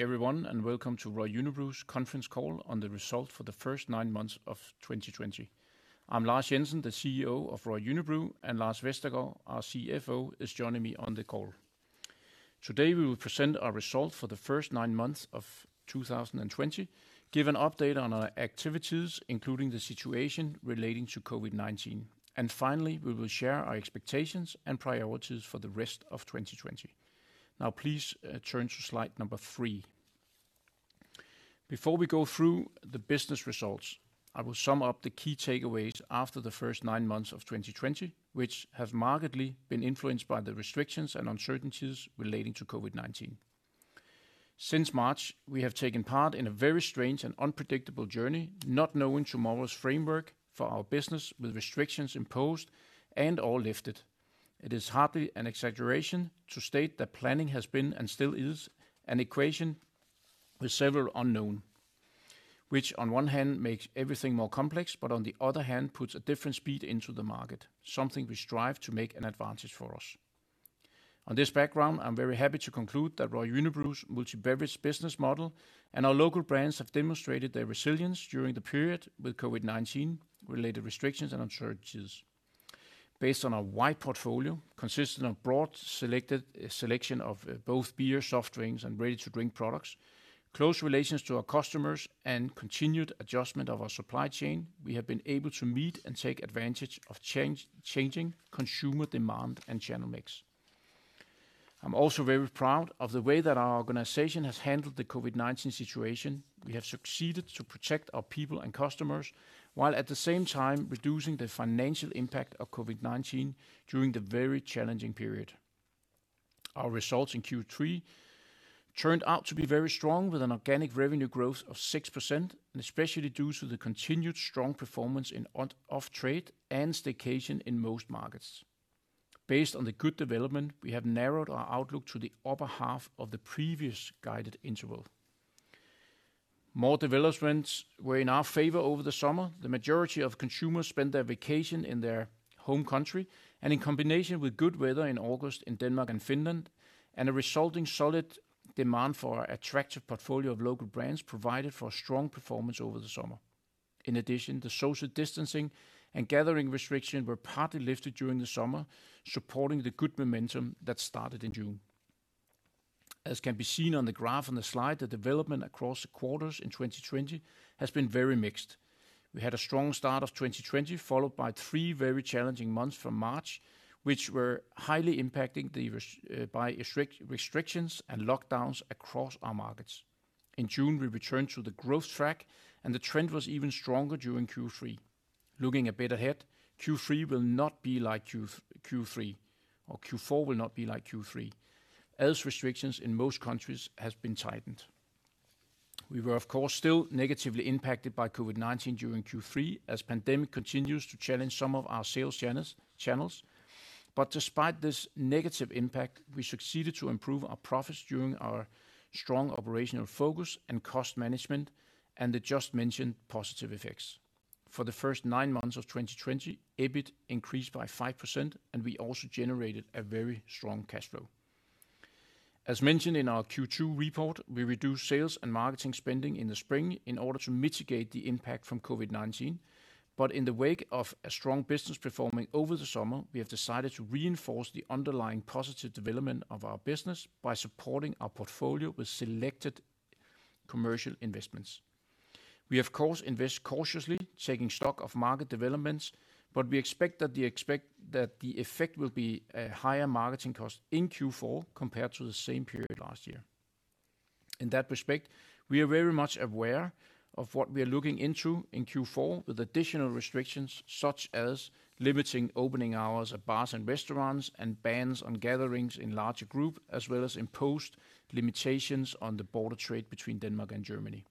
Everyone, welcome to Royal Unibrew's conference call on the result for the first nine months of 2020. I'm Lars Jensen, the CEO of Royal Unibrew, and Lars Vestergaard, our CFO, is joining me on the call. Today, we will present our results for the first nine months of 2020, give an update on our activities, including the situation relating to COVID-19, and finally, we will share our expectations and priorities for the rest of 2020. Please turn to slide number three. Before we go through the business results, I will sum up the key takeaways after the first nine months of 2020, which have markedly been influenced by the restrictions and uncertainties relating to COVID-19. Since March, we have taken part in a very strange and unpredictable journey, not knowing tomorrow's framework for our business with restrictions imposed and/or lifted. It is hardly an exaggeration to state that planning has been, and still is, an equation with several unknown, which on one hand makes everything more complex, but on the other hand puts a different speed into the market, something we strive to make an advantage for us. On this background, I'm very happy to conclude that Royal Unibrew's multi-beverage business model and our local brands have demonstrated their resilience during the period with COVID-19-related restrictions and uncertainties. Based on our wide portfolio, consisting of broad selection of both beer, soft drinks, and ready-to-drink products, close relations to our customers, and continued adjustment of our supply chain, we have been able to meet and take advantage of changing consumer demand and channel mix. I'm also very proud of the way that our organization has handled the COVID-19 situation. We have succeeded to protect our people and customers, while at the same time reducing the financial impact of COVID-19 during the very challenging period. Our results in Q3 turned out to be very strong with an organic revenue growth of 6%, and especially due to the continued strong performance in off-trade and staycation in most markets. Based on the good development, we have narrowed our outlook to the upper half of the previous guided interval. More developments were in our favor over the summer. The majority of consumers spent their vacation in their home country, and in combination with good weather in August in Denmark and Finland, and a resulting solid demand for our attractive portfolio of local brands provided for a strong performance over the summer. In addition, the social distancing and gathering restriction were partly lifted during the summer, supporting the good momentum that started in June. As can be seen on the graph on the slide, the development across the quarters in 2020 has been very mixed. We had a strong start of 2020, followed by three very challenging months from March, which were highly impacted by restrictions and lockdowns across our markets. In June, we returned to the growth track, and the trend was even stronger during Q3. Looking a bit ahead, Q4 will not be like Q3, as restrictions in most countries has been tightened. We were, of course, still negatively impacted by COVID-19 during Q3, as pandemic continues to challenge some of our sales channels. Despite this negative impact, we succeeded to improve our profits during our strong operational focus and cost management, and the just mentioned positive effects. For the first nine months of 2020, EBIT increased by 5% and we also generated a very strong cash flow. As mentioned in our Q2 report, we reduced sales and marketing spending in the spring in order to mitigate the impact from COVID-19. In the wake of a strong business performing over the summer, we have decided to reinforce the underlying positive development of our business by supporting our portfolio with selected commercial investments. We, of course, invest cautiously, taking stock of market developments, but we expect that the effect will be a higher marketing cost in Q4 compared to the same period last year. In that respect, we are very much aware of what we are looking into in Q4 with additional restrictions, such as limiting opening hours of bars and restaurants and bans on gatherings in larger group, as well as imposed limitations on the border trade between Denmark and Germany.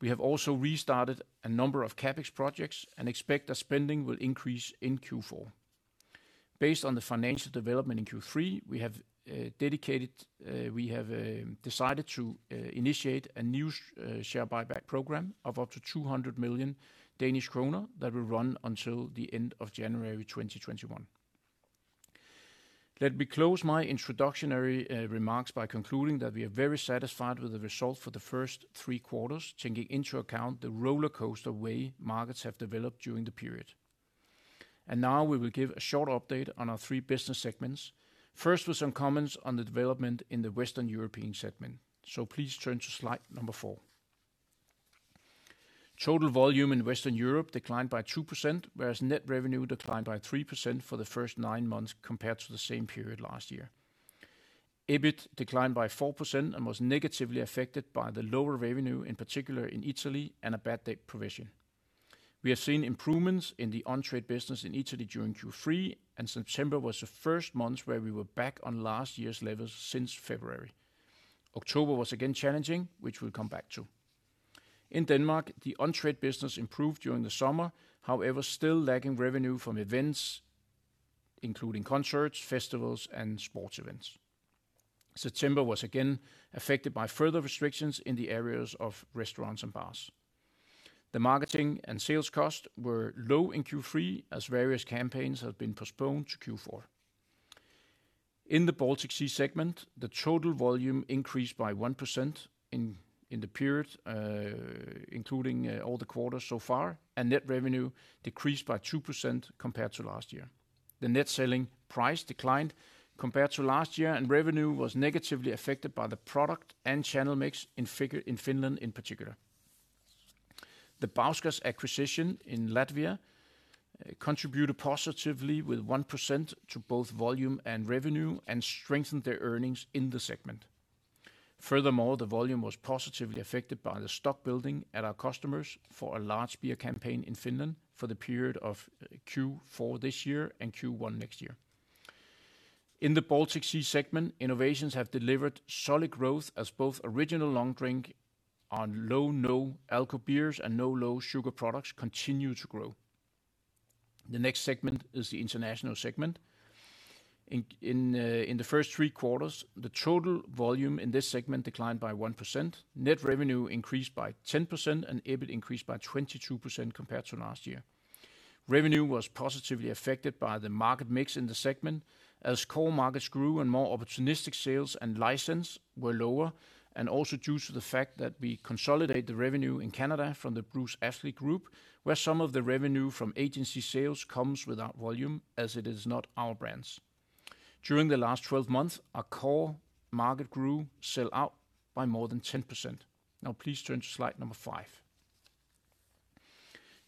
We have also restarted a number of CapEx projects and expect that spending will increase in Q4. Based on the financial development in Q3, we have decided to initiate a new share buyback program of up to 200 million Danish kroner that will run until the end of January 2021. Let me close my introductory remarks by concluding that we are very satisfied with the result for the first three quarters, taking into account the rollercoaster way markets have developed during the period. Now we will give a short update on our three business segments, first with some comments on the development in the Western European Segment. Please turn to slide number four. Total volume in Western Europe declined by 2%, whereas net revenue declined by 3% for the first nine months compared to the same period last year. EBIT declined by 4% and was negatively affected by the lower revenue, in particular in Italy, and a bad debt provision. We have seen improvements in the on-trade business in Italy during Q3, and September was the first month where we were back on last year's levels since February. October was again challenging, which we'll come back to. In Denmark, the on-trade business improved during the summer, however, still lacking revenue from events, including concerts, festivals, and sports events. September was again affected by further restrictions in the areas of restaurants and bars. The marketing and sales costs were low in Q3 as various campaigns have been postponed to Q4. In the Baltic Sea segment, the total volume increased by 1% in the period, including all the quarters so far, and net revenue decreased by 2% compared to last year. The net selling price declined compared to last year, and revenue was negatively affected by the product and channel mix in Finland in particular. The Bauskas acquisition in Latvia contributed positively with 1% to both volume and revenue and strengthened their earnings in the segment. Furthermore, the volume was positively affected by the stock building at our customers for a large beer campaign in Finland for the period of Q4 this year and Q1 next year. In the Baltic Sea segment, innovations have delivered solid growth as both Original Long Drink on low/no alco beers and no/low sugar products continue to grow. The next segment is the international segment. In the first three quarters, the total volume in this segment declined by 1%. Net revenue increased by 10% and EBIT increased by 22% compared to last year. Revenue was positively affected by the market mix in the segment, as core markets grew and more opportunistic sales and licence were lower, and also due to the fact that we consolidate the revenue in Canada from the Broue Alliance Group, where some of the revenue from agency sales comes without volume as it is not our brands. During the last 12 months, our core market grew sell out by more than 10%. Now please turn to slide number five.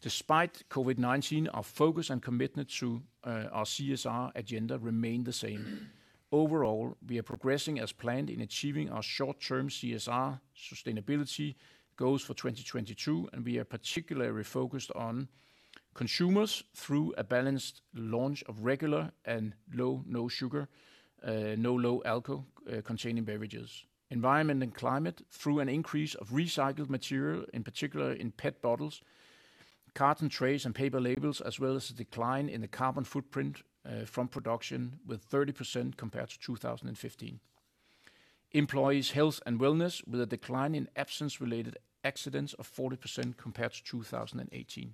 Despite COVID-19, our focus and commitment to our CSR agenda remain the same. Overall, we are progressing as planned in achieving our short-term CSR sustainability goals for 2022, and we are particularly focused on: consumers through a balanced launch of regular and low/no sugar, no/low alco containing beverages. Environment and climate through an increase of recycled material, in particular in PET bottles, carton trays, and paper labels, as well as the decline in the carbon footprint from production with 30% compared to 2015. Employees' health and wellness with a decline in absence-related accidents of 40% compared to 2018.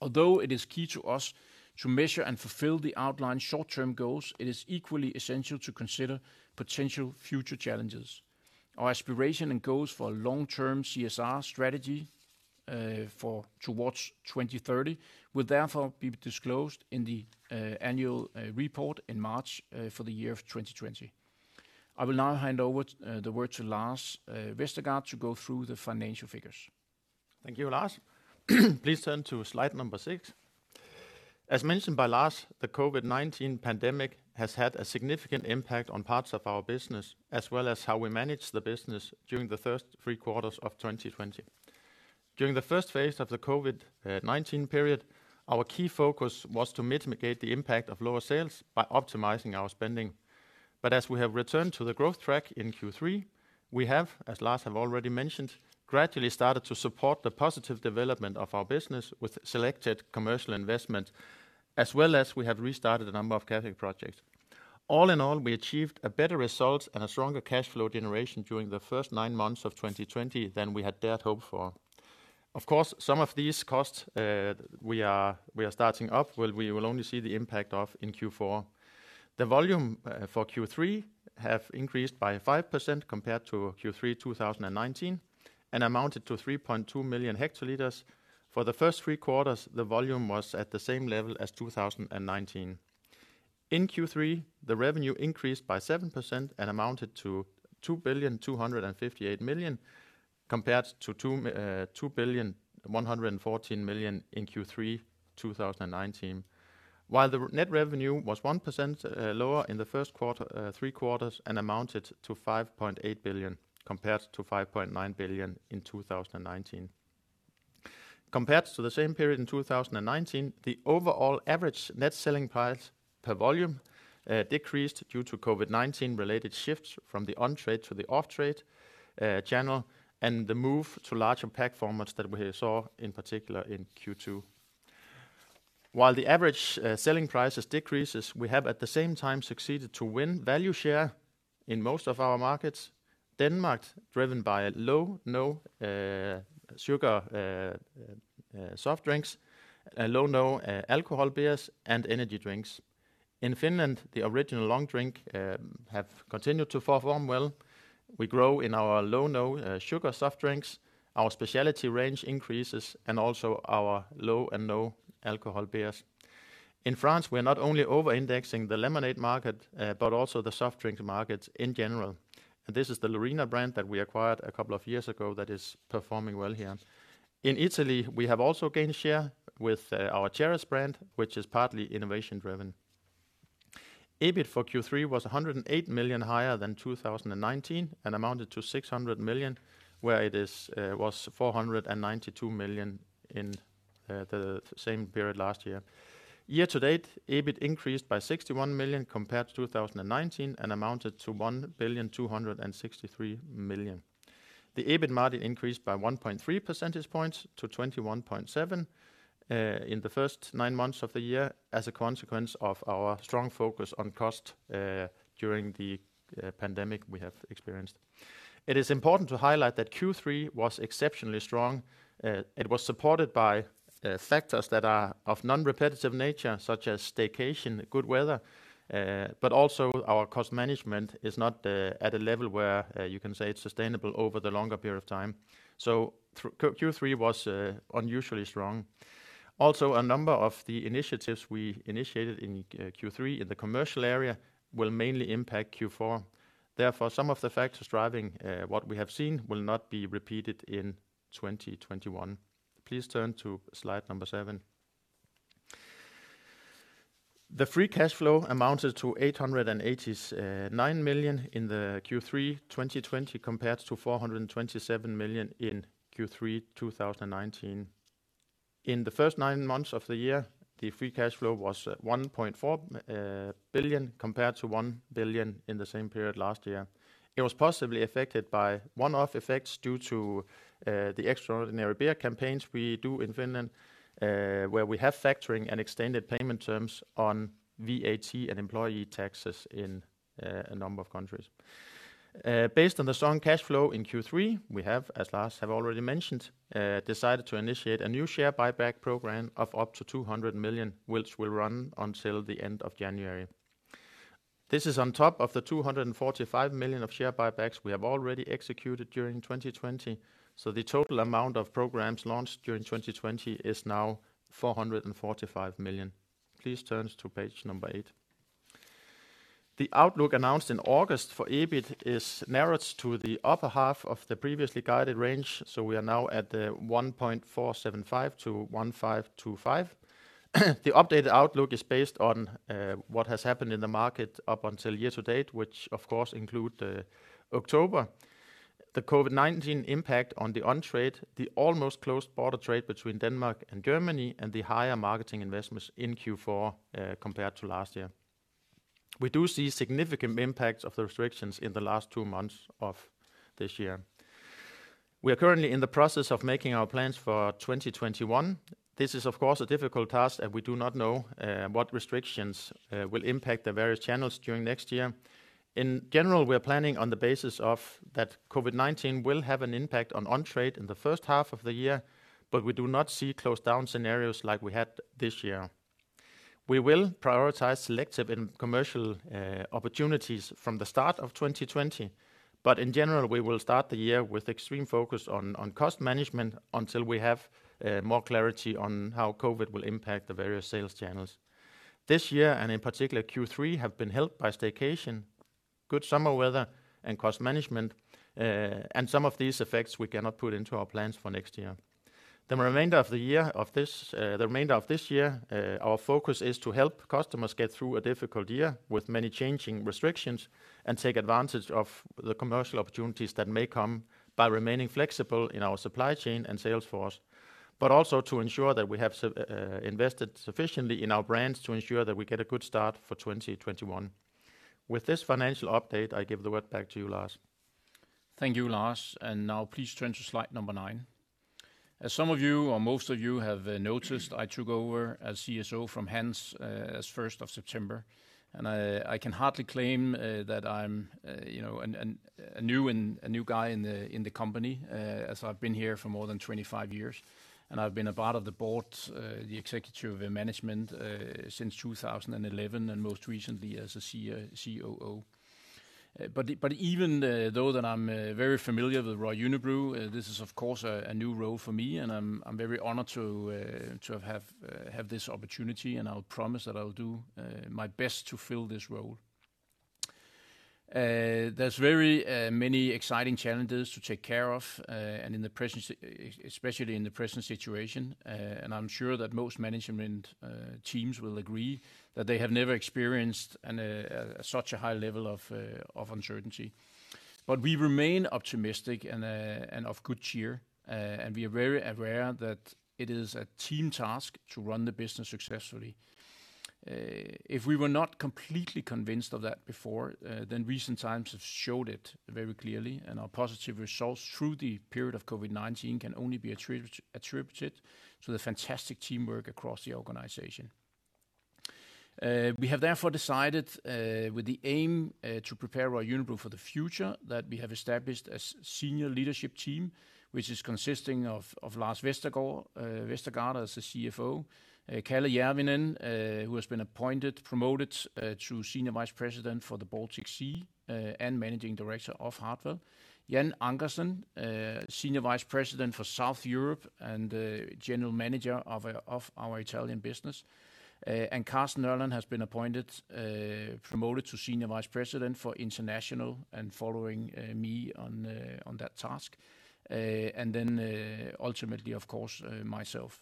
Although it is key to us to measure and fulfill the outlined short-term goals, it is equally essential to consider potential future challenges. Our aspiration and goals for long-term CSR strategy towards 2030 will therefore be disclosed in the annual report in March for the year of 2020. I will now hand over the word to Lars Vestergaard to go through the financial figures. Thank you, Lars. Please turn to slide number six. As mentioned by Lars, the COVID-19 pandemic has had a significant impact on parts of our business, as well as how we manage the business during the first three quarters of 2020. During the first phase of the COVID-19 period, our key focus was to mitigate the impact of lower sales by optimizing our spending. As we have returned to the growth track in Q3, we have, as Lars have already mentioned, gradually started to support the positive development of our business with selected commercial investment, as well as we have restarted a number of category projects. All in all, we achieved a better result and a stronger cash flow generation during the first nine months of 2020 than we had dared hope for. Of course, some of these costs we are starting up, we will only see the impact of in Q4. The volume for Q3 have increased by 5% compared to Q3 2019 and amounted to 3.2 million hectolitres. For the first three quarters, the volume was at the same level as 2019. In Q3, the revenue increased by 7% and amounted to 2,258,000,000 compared to 2,114,000,000 in Q3 2019. While the net revenue was 1% lower in the first three quarters and amounted to 5.8 billion, compared to 5.9 billion in 2019. Compared to the same period in 2019, the overall average net selling price per volume decreased due to COVID-19-related shifts from the on-trade to the off-trade channel and the move to larger pack formats that we saw in particular in Q2. While the average selling prices decreases, we have at the same time succeeded to win value share in most of our markets. Denmark, driven by low/no sugar soft drinks, low/no alcohol beers, and energy drinks. In Finland, the Original Long Drink have continued to perform well. We grow in our low/no sugar soft drinks, our speciality range increases, and also our low and no alcohol beers. In France, we're not only over-indexing the lemonade market, but also the soft drink markets in general. This is the Lorina brand that we acquired a couple of years ago that is performing well here. In Italy, we have also gained share with our Ceres brand, which is partly innovation-driven. EBIT for Q3 was 108 million higher than 2019 and amounted to 600 million, where it was 492 million in the same period last year. Year to date, EBIT increased by 61 million compared to 2019 and amounted to 1,263,000,000. The EBIT margin increased by 1.3 percentage points to 21.7% in the first nine months of the year as a consequence of our strong focus on cost during the pandemic we have experienced. It is important to highlight that Q3 was exceptionally strong. It was supported by factors that are of non-repetitive nature, such as staycation, good weather, also our cost management is not at a level where you can say it's sustainable over the longer period of time. Q3 was unusually strong. Also, a number of the initiatives we initiated in Q3 in the commercial area will mainly impact Q4. Therefore, some of the factors driving what we have seen will not be repeated in 2021. Please turn to slide number seven. The free cash flow amounted to 889 million in the Q3 2020, compared to 427 million in Q3 2019. In the first nine months of the year, the free cash flow was 1.4 billion, compared to 1 billion in the same period last year. It was positively affected by one-off effects due to the extraordinary beer campaigns we do in Finland, where we have factoring and extended payment terms on VAT and employee taxes in a number of countries. Based on the strong cash flow in Q3, we have, as Lars have already mentioned, decided to initiate a new share buyback program of up to 200 million, which will run until the end of January. This is on top of the 245 million of share buybacks we have already executed during 2020. The total amount of programs launched during 2020 is now 445 million. Please turn to page number eight. The outlook announced in August for EBIT is narrowed to the upper half of the previously guided range. We are now at 1.475-1.525. The updated outlook is based on what has happened in the market up until year to date, which of course include October. The COVID-19 impact on the on-trade, the almost closed border trade between Denmark and Germany, and the higher marketing investments in Q4 compared to last year. We do see significant impacts of the restrictions in the last two months of this year. We are currently in the process of making our plans for 2021. This is, of course, a difficult task, and we do not know what restrictions will impact the various channels during next year. In general, we're planning on the basis of that COVID-19 will have an impact on on-trade in the first half of the year, but we do not see closed down scenarios like we had this year. We will prioritize selective and commercial opportunities from the start of 2020, but in general, we will start the year with extreme focus on cost management until we have more clarity on how COVID will impact the various sales channels. This year, and in particular Q3, have been helped by staycation, good summer weather, and cost management, and some of these effects we cannot put into our plans for next year. The remainder of this year, our focus is to help customers get through a difficult year with many changing restrictions and take advantage of the commercial opportunities that may come by remaining flexible in our supply chain and sales force, but also to ensure that we have invested sufficiently in our brands to ensure that we get a good start for 2021. With this financial update, I give the word back to you, Lars. Thank you, Lars. Now please turn to slide number nine. As some of you, or most of you, have noticed, I took over as CSO from Hans as 1st of September, and I can hardly claim that I'm a new guy in the company, as I've been here for more than 25 years, and I've been a part of the board, the executive management, since 2011, and most recently as a COO. Even though that I'm very familiar with Royal Unibrew, this is of course, a new role for me, and I'm very honored to have had this opportunity, and I will promise that I will do my best to fill this role. There's very many exciting challenges to take care of, and especially in the present situation, and I'm sure that most management teams will agree that they have never experienced such a high level of uncertainty. We remain optimistic and of good cheer, and we are very aware that it is a team task to run the business successfully. If we were not completely convinced of that before, then recent times have showed it very clearly, and our positive results through the period of COVID-19 can only be attributed to the fantastic teamwork across the organization. We have therefore decided, with the aim to prepare Royal Unibrew for the future, that we have established a senior leadership team, which is consisting of Lars Vestergaard as the CFO, Kalle Järvinen, who has been appointed, promoted to Senior Vice President for the Baltic Sea and Managing Director of Hartwall, Jan Ankersen, Senior Vice President for South Europe and General Manager of our Italian business, and Carsten Nørland has been appointed, promoted to Senior Vice President for International and following me on that task. Ultimately, of course, myself.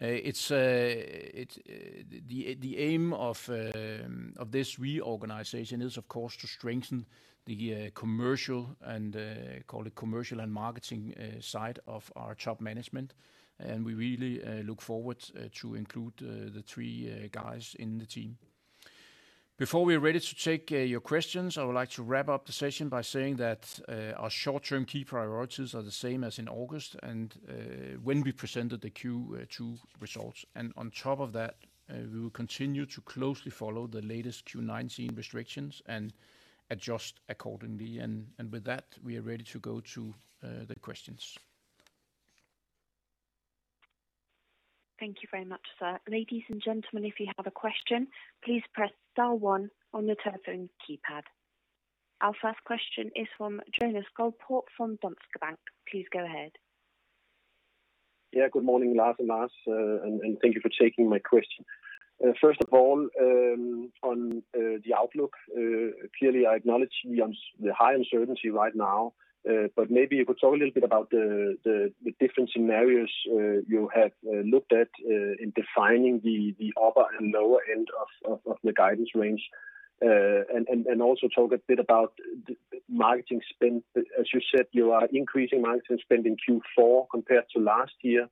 The aim of this reorganization is, of course, to strengthen the commercial and marketing side of our top management, and we really look forward to include the three guys in the team. Before we are ready to take your questions, I would like to wrap up the session by saying that our short-term key priorities are the same as in August and when we presented the Q2 results. On top of that, we will continue to closely follow the latest COVID-19 restrictions and adjust accordingly. With that, we are ready to go to the questions. Thank you very much, sir. Ladies and gentlemen, if you have a question, please press star one on your telephone keypad. Our first question is from Jonas Guldborg from Danske Bank. Please go ahead. Yeah. Good morning, Lars and Lars, and thank you for taking my question. First of all, on the outlook, clearly, I acknowledge the high uncertainty right now, but maybe you could talk a little bit about the different scenarios you have looked at in defining the upper and lower end of the guidance range. Also talk a bit about the marketing spend. As you said, you are increasing marketing spend in Q4 compared to last year,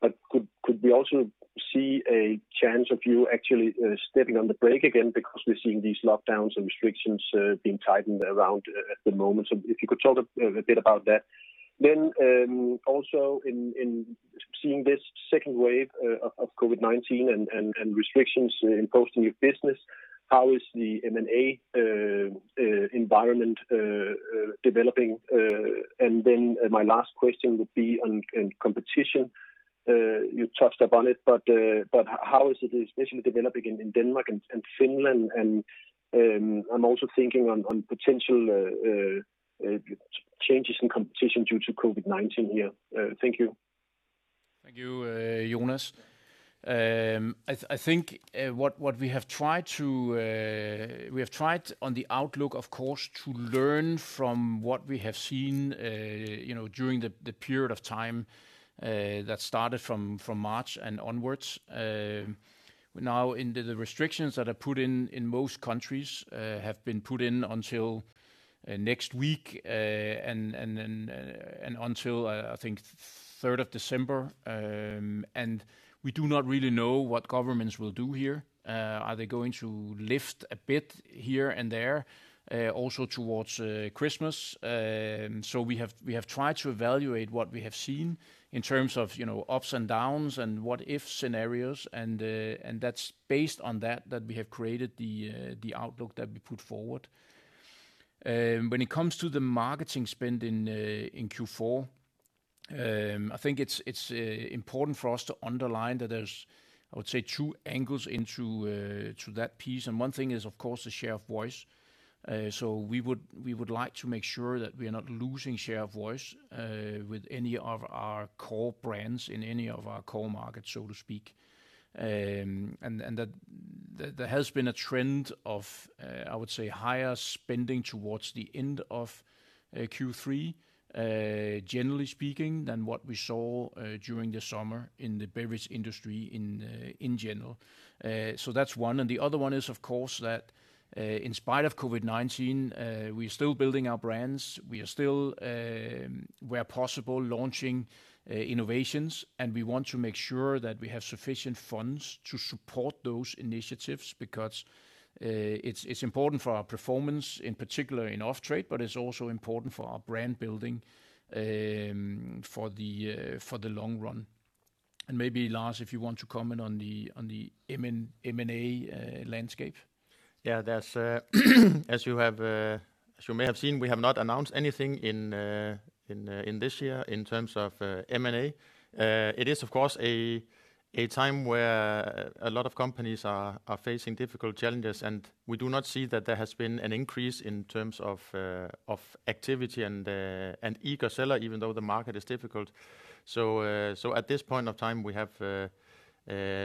but could we also see a chance of you actually stepping on the brake again because we're seeing these lockdowns and restrictions being tightened around at the moment? If you could talk a bit about that. Also in seeing this second wave of COVID-19 and restrictions imposing your business, how is the M&A environment developing? My last question would be on competition. You touched upon it, how is the situation developing in Denmark and Finland? I'm also thinking on potential changes in competition due to COVID-19 here. Thank you. Thank you, Jonas. I think what we have tried to, on the outlook, of course, to learn from what we have seen during the period of time that started from March and onwards. Now into the restrictions that are put in most countries, have been put in until next week, and until, I think, 3rd of December. We do not really know what governments will do here. Are they going to lift a bit here and there, also towards Christmas? We have tried to evaluate what we have seen in terms of ups and downs and what-if scenarios, and that's based on that that we have created the outlook that we put forward. When it comes to the marketing spend in Q4, I think it's important for us to underline that there's, I would say, two angles into that piece. One thing is, of course, the share of voice. We would like to make sure that we are not losing share of voice with any of our core brands in any of our core markets, so to speak. That there has been a trend of, I would say, higher spending towards the end of Q3, generally speaking, than what we saw during the summer in the beverage industry in general. That's one. The other one is, of course, that in spite of COVID-19, we are still building our brands. We are still, where possible, launching innovations, and we want to make sure that we have sufficient funds to support those initiatives because it's important for our performance, in particular in off-trade, but it's also important for our brand building for the long run. Maybe, Lars, if you want to comment on the M&A landscape. As you may have seen, we have not announced anything in this year in terms of M&A. It is, of course, a time where a lot of companies are facing difficult challenges, and we do not see that there has been an increase in terms of activity and eager seller, even though the market is difficult. At this point of time, we have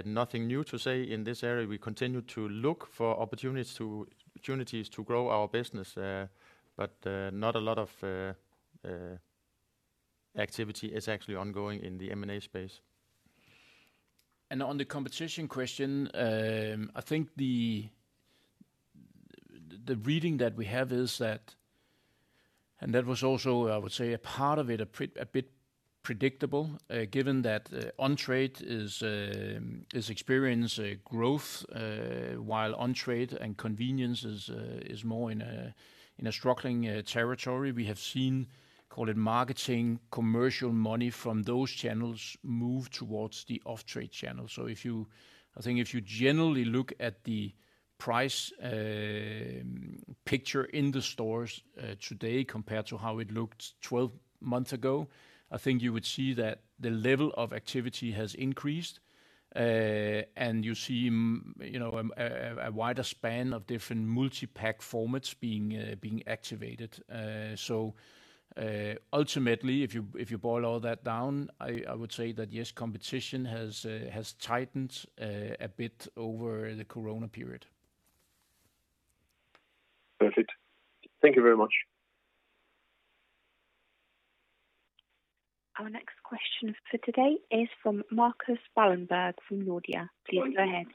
nothing new to say in this area. We continue to look for opportunities to grow our business, but not a lot of activity is actually ongoing in the M&A space. On the competition question, I think the reading that we have is that, and that was also, I would say, a part of it, a bit predictable, given that on-trade is experiencing growth, while on-trade and convenience is more in a struggling territory. We have seen, call it marketing commercial money from those channels move towards the off-trade channel. I think if you generally look at the price picture in the stores today compared to how it looked 12 months ago, I think you would see that the level of activity has increased, and you see a wider span of different multi-pack formats being activated. Ultimately, if you boil all that down, I would say that yes, competition has tightened a bit over the Corona period. Perfect. Thank you very much. Our next question for today is from Marcus Bellander from Nordea. Please go ahead.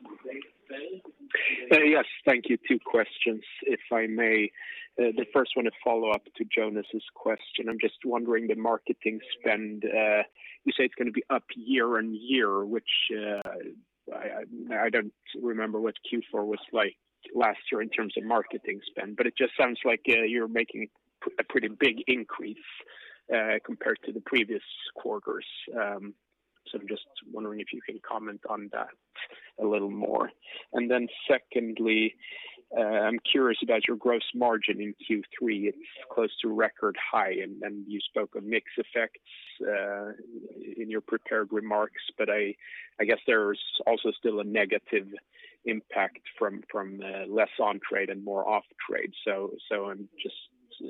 Yes. Thank you. Two questions, if I may. The first one, a follow-up to Jonas's question. I'm just wondering, the marketing spend, you say it's going to be up year-over-year, which I don't remember what Q4 was like last year in terms of marketing spend, but it just sounds like you're making a pretty big increase compared to the previous quarters. I'm just wondering if you can comment on that a little more. Secondly, I'm curious about your gross margin in Q3. It's close to record high, and you spoke of mix effects in your prepared remarks, but I guess there's also still a negative impact from less on-trade and more off-trade.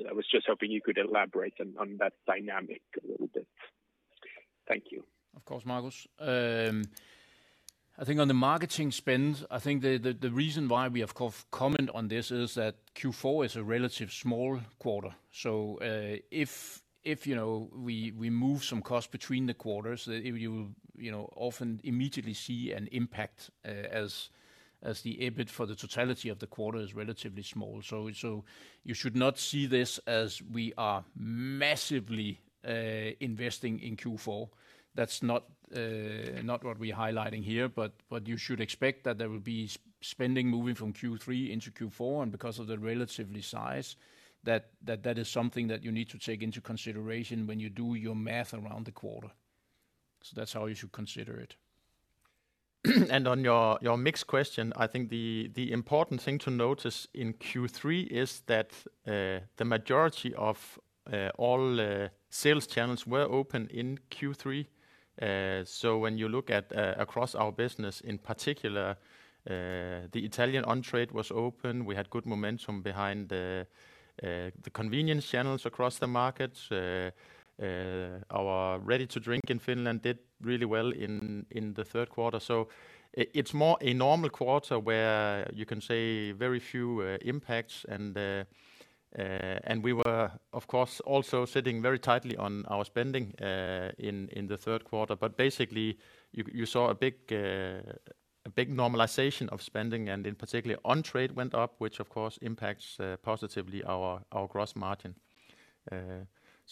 I was just hoping you could elaborate on that dynamic a little bit. Thank you. Of course, Marcus. I think on the marketing spend, I think the reason why we have comment on this is that Q4 is a relatively small quarter. If we move some costs between the quarters, you often immediately see an impact, as the EBIT for the totality of the quarter is relatively small. You should not see this as we are massively investing in Q4. That's not what we're highlighting here. You should expect that there will be spending moving from Q3 into Q4, and because of the relative size, that that is something that you need to take into consideration when you do your math around the quarter. That's how you should consider it. On your mix question, I think the important thing to notice in Q3 is that the majority of all sales channels were open in Q3. When you look at across our business, in particular, the Italian on-trade was open. We had good momentum behind the convenience channels across the markets. Our ready-to-drink in Finland did really well in the third quarter. It's more a normal quarter where you can say very few impacts. We were, of course, also sitting very tightly on our spending in the third quarter. Basically, you saw a big normalization of spending and in particular on-trade went up, which of course impacts positively our gross margin.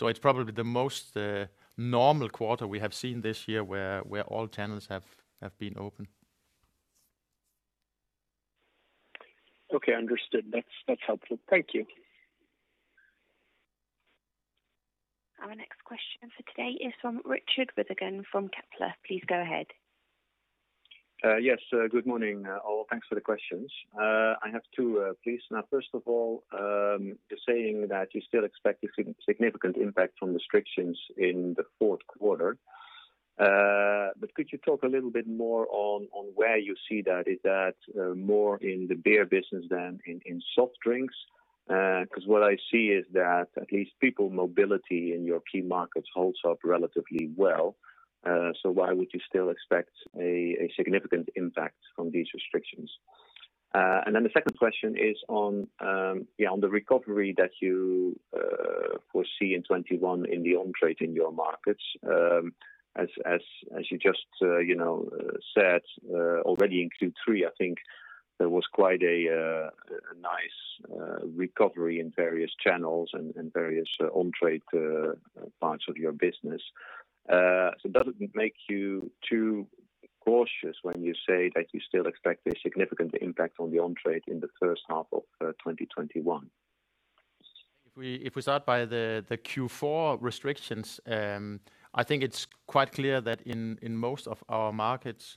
It's probably the most normal quarter we have seen this year where all channels have been open. Okay, understood. That's helpful. Thank you. Our next question for today is from Richard Withagen from Kepler. Please go ahead. Yes. Good morning, all. Thanks for the questions. I have two, please. First of all, you're saying that you still expect a significant impact from restrictions in the fourth quarter. Could you talk a little bit more on where you see that? Is that more in the beer business than in soft drinks? What I see is that at least people mobility in your key markets holds up relatively well. Why would you still expect a significant impact from these restrictions? The second question is on the recovery that you foresee in 2021 in the on-trade in your markets. As you just said already in Q3, I think there was quite a nice recovery in various channels and various on-trade parts of your business. Does it make you too cautious when you say that you still expect a significant impact on the on-trade in the first half of 2021? If we start by the Q4 restrictions, I think it's quite clear that in most of our markets,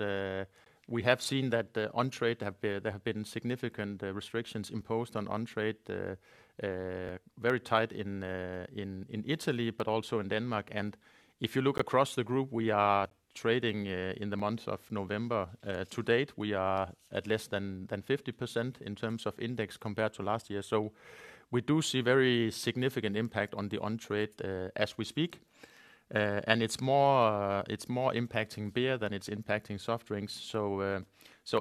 we have seen that there have been significant restrictions imposed on on-trade. Very tight in Italy, but also in Denmark. If you look across the group, we are trading in the month of November to date. We are at less than 50% in terms of index compared to last year. We do see very significant impact on the on-trade as we speak. It's more impacting beer than it's impacting soft drinks.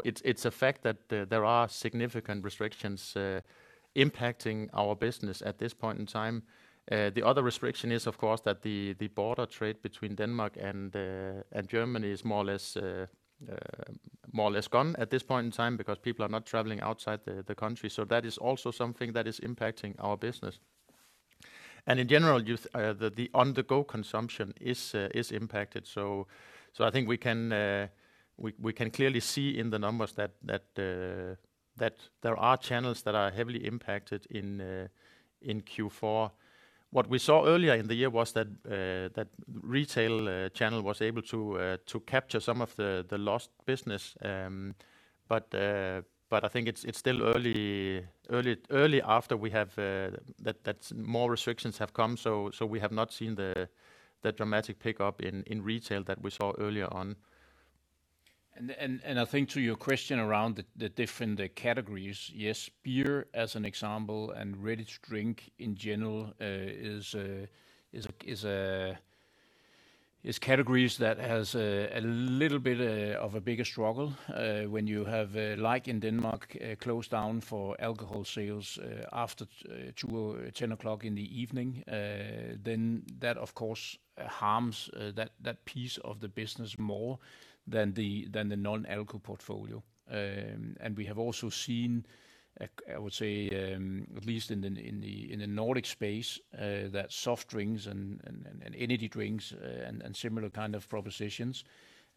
It's a fact that there are significant restrictions impacting our business at this point in time. The other restriction is, of course, that the border trade between Denmark and Germany is more or less gone at this point in time because people are not traveling outside the country. That is also something that is impacting our business. In general, the on-the-go consumption is impacted. I think we can clearly see in the numbers that there are channels that are heavily impacted in Q4. What we saw earlier in the year was that retail channel was able to capture some of the lost business. I think it's still early after that more restrictions have come, so we have not seen the dramatic pickup in retail that we saw earlier on. I think to your question around the different categories. Yes, beer, as an example, and ready-to-drink in general is categories that has a little bit of a bigger struggle. When you have, like in Denmark, closed down for alcohol sales after 10:00 in the evening, then that, of course, harms that piece of the business more than the non-alcohol portfolio. We have also seen, I would say, at least in the Nordic space, that soft drinks and energy drinks and similar kind of propositions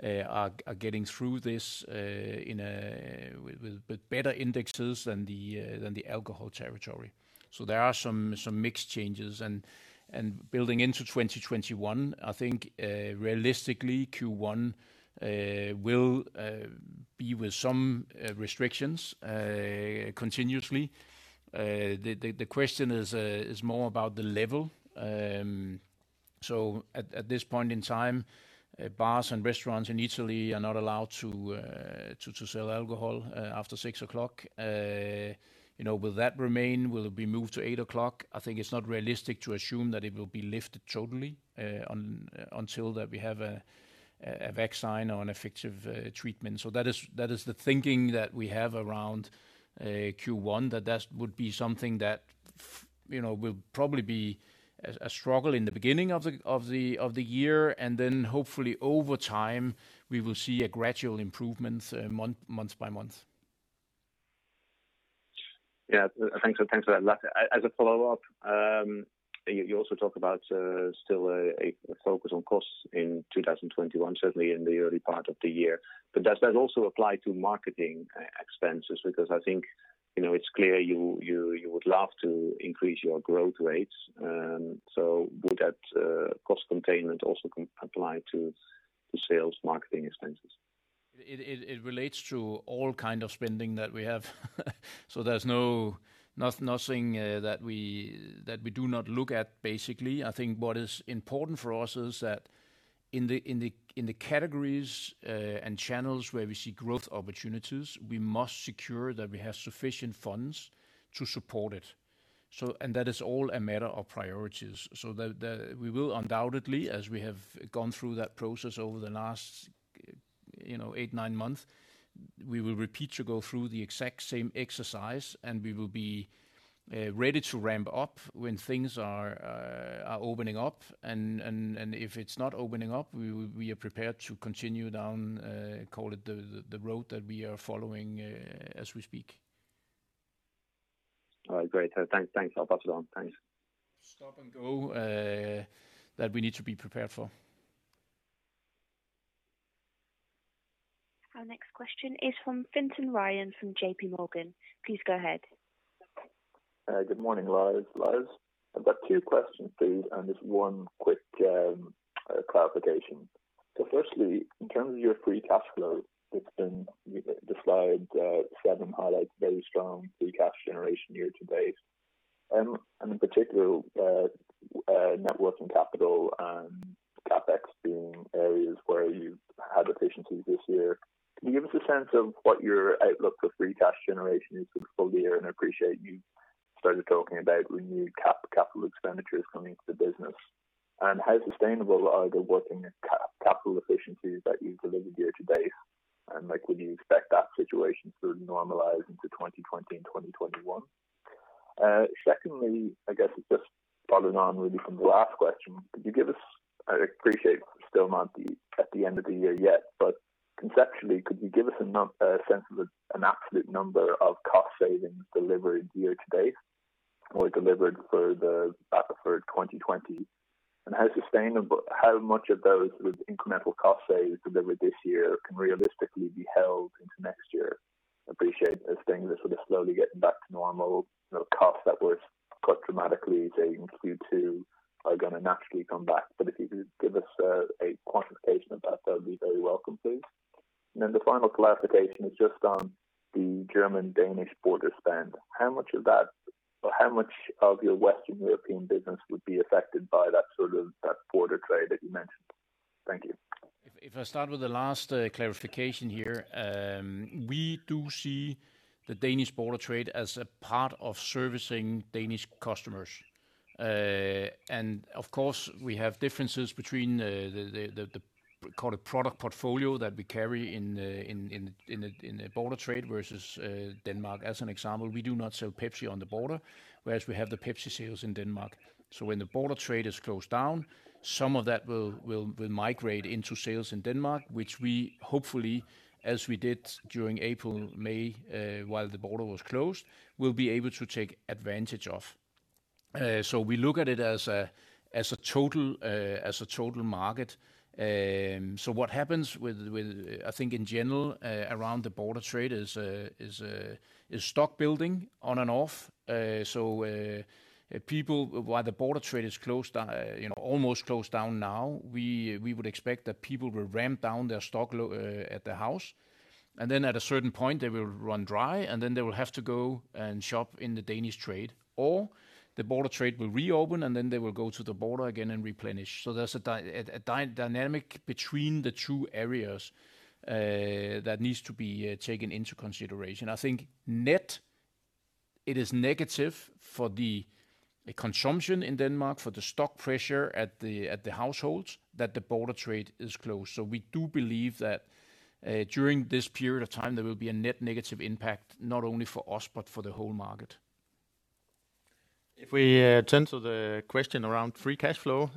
are getting through this with better indexes than the alcohol territory. There are some mixed changes. Building into 2021, I think realistically Q1 will be with some restrictions continuously. The question is more about the level. At this point in time, bars and restaurants in Italy are not allowed to sell alcohol after 6:00 o'clock. Will that remain? Will it be moved to 8:00 o'clock? I think it is not realistic to assume that it will be lifted totally until we have a vaccine or an effective treatment. That is the thinking that we have around Q1, that would be something that will probably be a struggle in the beginning of the year, and then hopefully over time, we will see a gradual improvement month by month. Yeah. Thanks for that. As a follow-up, you also talk about still a focus on costs in 2021, certainly in the early part of the year. Does that also apply to marketing expenses? Because I think, it's clear you would love to increase your growth rates. Would that cost containment also apply to sales marketing expenses? It relates to all kind of spending that we have. There's nothing that we do not look at, basically. I think what is important for us is that in the categories and channels where we see growth opportunities, we must secure that we have sufficient funds to support it. That is all a matter of priorities. We will undoubtedly, as we have gone through that process over the last eight, nine months, we will repeat to go through the exact same exercise, and we will be ready to ramp up when things are opening up. If it's not opening up, we are prepared to continue down, call it the road that we are following as we speak. All right, great. Thanks. I'll pass it on. Thanks. Stop and go that we need to be prepared for. Our next question is from Fintan Ryan from JPMorgan. Please go ahead. Good morning, Lars. I've got two questions, please, and just one quick clarification. Firstly, in terms of your free cash flow, the slide seven highlights very strong free cash generation year to date. In particular, net working capital and CapEx being areas where you've had efficiencies this year. Can you give us a sense of what your outlook for free cash generation is for the full year? I appreciate you started talking about renewed capital expenditures coming to the business. How sustainable are the working capital efficiencies that you've delivered year to date? Would you expect that situation to normalize into 2020 and 2021? Secondly, I guess it just follows on really from the last question. Could you give us, I appreciate we're still not at the end of the year yet, but conceptually, could you give us a sense of an absolute number of cost savings delivered year to date or delivered for the backup for 2020? How sustainable, how much of those incremental cost saves delivered this year can realistically be held into next year? I appreciate as things are sort of slowly getting back to normal, costs that were cut dramatically during Q2 are going to naturally come back. If you could give us a quantification of that would be very welcome, please. The final clarification is just on the German-Danish border spend. How much of that, or how much of your Western European business would be affected by that border trade that you mentioned? Thank you. If I start with the last clarification here. We do see the Danish border trade as a part of servicing Danish customers. Of course, we have differences between the, call it product portfolio that we carry in the border trade versus Denmark. As an example, we do not sell Pepsi on the border, whereas we have the Pepsi sales in Denmark. When the border trade is closed down, some of that will migrate into sales in Denmark, which we hopefully, as we did during April, May, while the border was closed, will be able to take advantage of. We look at it as a total market. What happens with, I think in general around the border trade is stock building on and off. While the border trade is almost closed down now, we would expect that people will ramp down their stock at the house, and then at a certain point they will run dry, and then they will have to go and shop in the Danish trade. The border trade will reopen, and then they will go to the border again and replenish. There's a dynamic between the two areas that needs to be taken into consideration. I think net, it is negative for the consumption in Denmark, for the stock pressure at the households, that the border trade is closed. We do believe that during this period of time, there will be a net negative impact, not only for us, but for the whole market. If we turn to the question around free cash flow,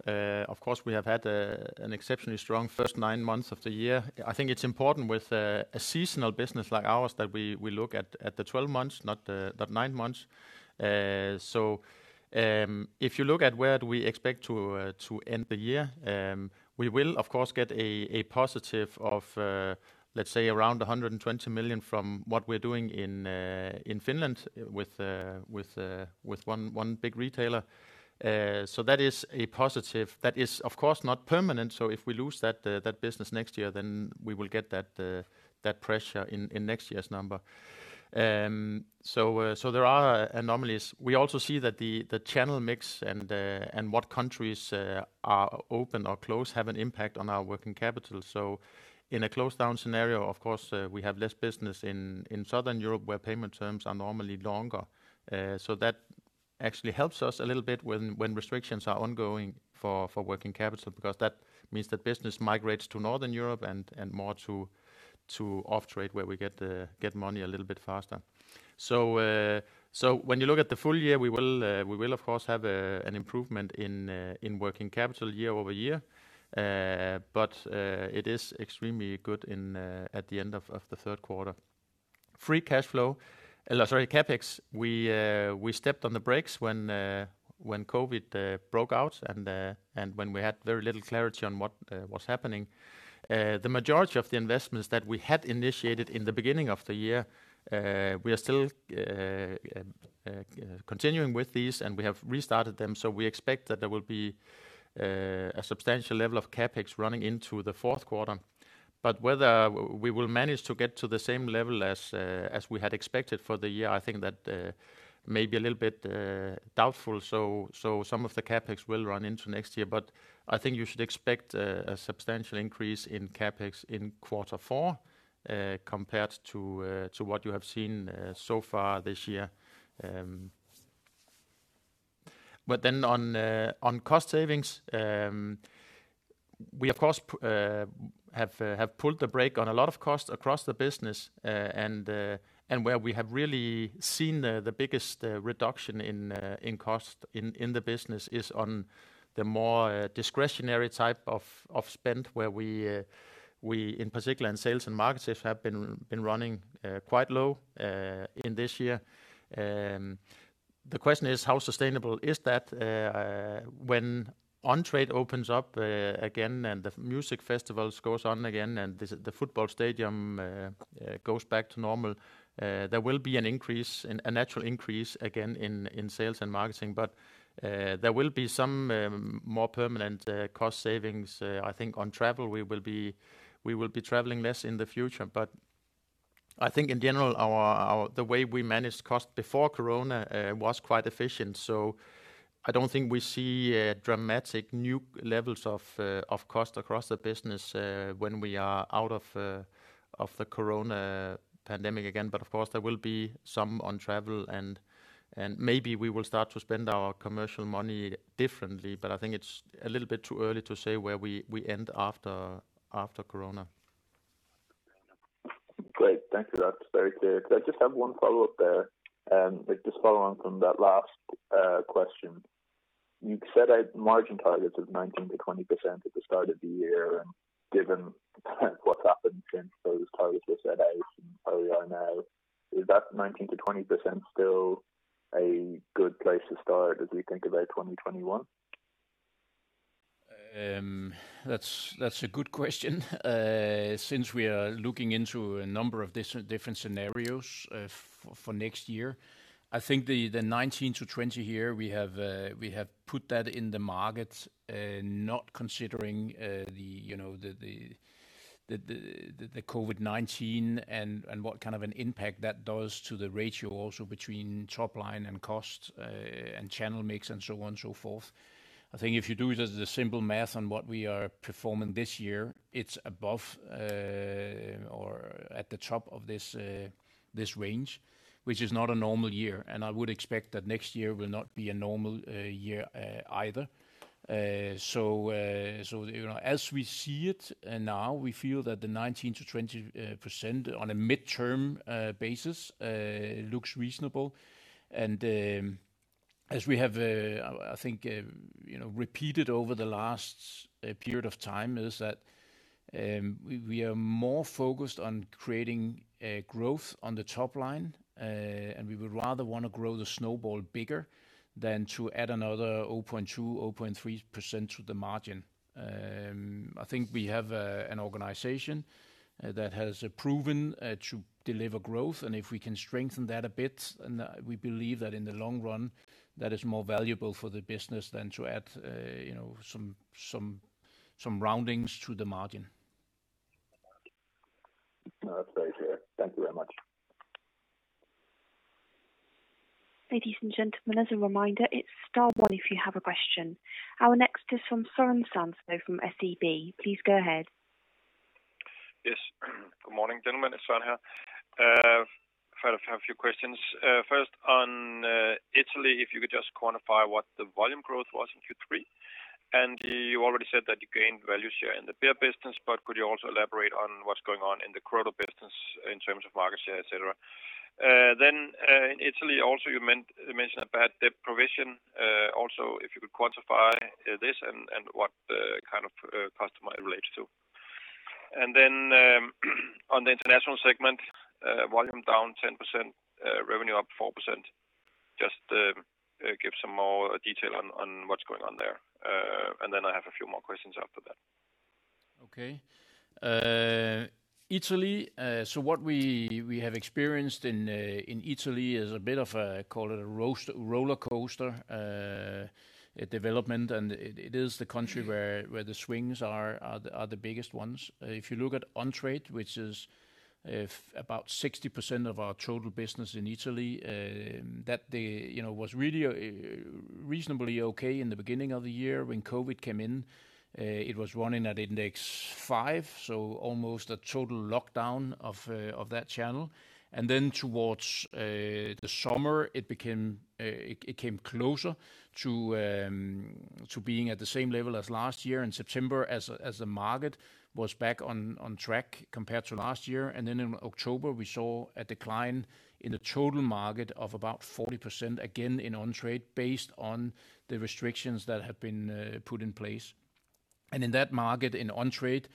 of course we have had an exceptionally strong first nine months of the year. I think it's important with a seasonal business like ours that we look at the 12 months, not the nine months. If you look at where do we expect to end the year, we will of course get a positive of, let's say around 120 million from what we're doing in Finland with one big retailer. That is a positive. That is, of course, not permanent, so if we lose that business next year, then we will get that pressure in next year's number. There are anomalies. We also see that the channel mix and what countries are open or closed have an impact on our working capital. In a closed-down scenario, of course, we have less business in Southern Europe, where payment terms are normally longer. That actually helps us a little bit when restrictions are ongoing for working capital, because that means that business migrates to Northern Europe and more to off-trade where we get money a little bit faster. When you look at the full year, we will, of course, have an improvement in working capital year-over-year. It is extremely good at the end of the third quarter. Free cash flow. Sorry, CapEx. We stepped on the brakes when COVID broke out, and when we had very little clarity on what was happening. The majority of the investments that we had initiated in the beginning of the year, we are still continuing with these, and we have restarted them. We expect that there will be a substantial level of CapEx running into the fourth quarter. Whether we will manage to get to the same level as we had expected for the year, I think that may be a little bit doubtful. Some of the CapEx will run into next year. I think you should expect a substantial increase in CapEx in quarter four compared to what you have seen so far this year. On cost savings, we, of course, have pulled the brake on a lot of costs across the business. Where we have really seen the biggest reduction in cost in the business is on the more discretionary type of spend, where we, in particular, in sales and markets, have been running quite low in this year. The question is, how sustainable is that? When on-trade opens up again, and the music festivals goes on again, and the football stadium goes back to normal, there will be a natural increase again in sales and marketing. There will be some more permanent cost savings. I think on travel, we will be traveling less in the future. I think in general, the way we managed cost before COVID was quite efficient. I don't think we see dramatic new levels of cost across the business when we are out of the COVID pandemic again. Of course, there will be some on travel, and maybe we will start to spend our commercial money differently. I think it's a little bit too early to say where we end after COVID. Great. Thank you. That's very clear. Could I just have one follow-up there? Just following on from that last question. You'd set out margin targets of 19%-20% at the start of the year, and given what's happened since those targets were set out and where we are now, is that 19%-20% still a good place to start as we think about 2021? That's a good question. Since we are looking into a number of different scenarios for next year, I think the 19%-20% here, we have put that in the market, not considering the COVID-19 and what kind of an impact that does to the ratio also between top line and cost, and channel mix, and so on and so forth. I think if you do just the simple math on what we are performing this year, it's above or at the top of this range, which is not a normal year. I would expect that next year will not be a normal year either. As we see it now, we feel that the 19%-20% on a midterm basis looks reasonable, and as we have, I think, repeated over the last period of time, we are more focused on creating growth on the top line. We would rather want to grow the snowball bigger than to add another 0.2%, 0.3% to the margin. I think we have an organization that has proven to deliver growth, and if we can strengthen that a bit, we believe that in the long run, that is more valuable for the business than to add some roundings to the margin. No, that's very clear. Thank you very much. Ladies and gentlemen, as a reminder, it's star one if you have a question. Our next is from Søren Samsøe from SEB. Please go ahead. Yes. Good morning, gentlemen. It's Søren here. I have a few questions. First on Italy, if you could just quantify what the volume growth was in Q3. You already said that you gained value share in the beer business, but could you also elaborate on what's going on in the Crodo business in terms of market share, et cetera? In Italy also, you mentioned a bad debt provision. Also, if you could quantify this and what kind of customer it relates to. On the international segment, volume down 10%, revenue up 4%. Just give some more detail on what's going on there. I have a few more questions after that. Okay. Italy, what we have experienced in Italy is a bit of a, call it a rollercoaster development, and it is the country where the swings are the biggest ones. If you look at on-trade, which is about 60% of our total business in Italy, that was really reasonably okay in the beginning of the year. When COVID came in, it was running at index 5, so almost a total lockdown of that channel. Towards the summer, it came closer to being at the same level as last year in September as the market was back on track compared to last year. In October, we saw a decline in the total market of about 40%, again in on-trade, based on the restrictions that have been put in place. In that market, in on-trade,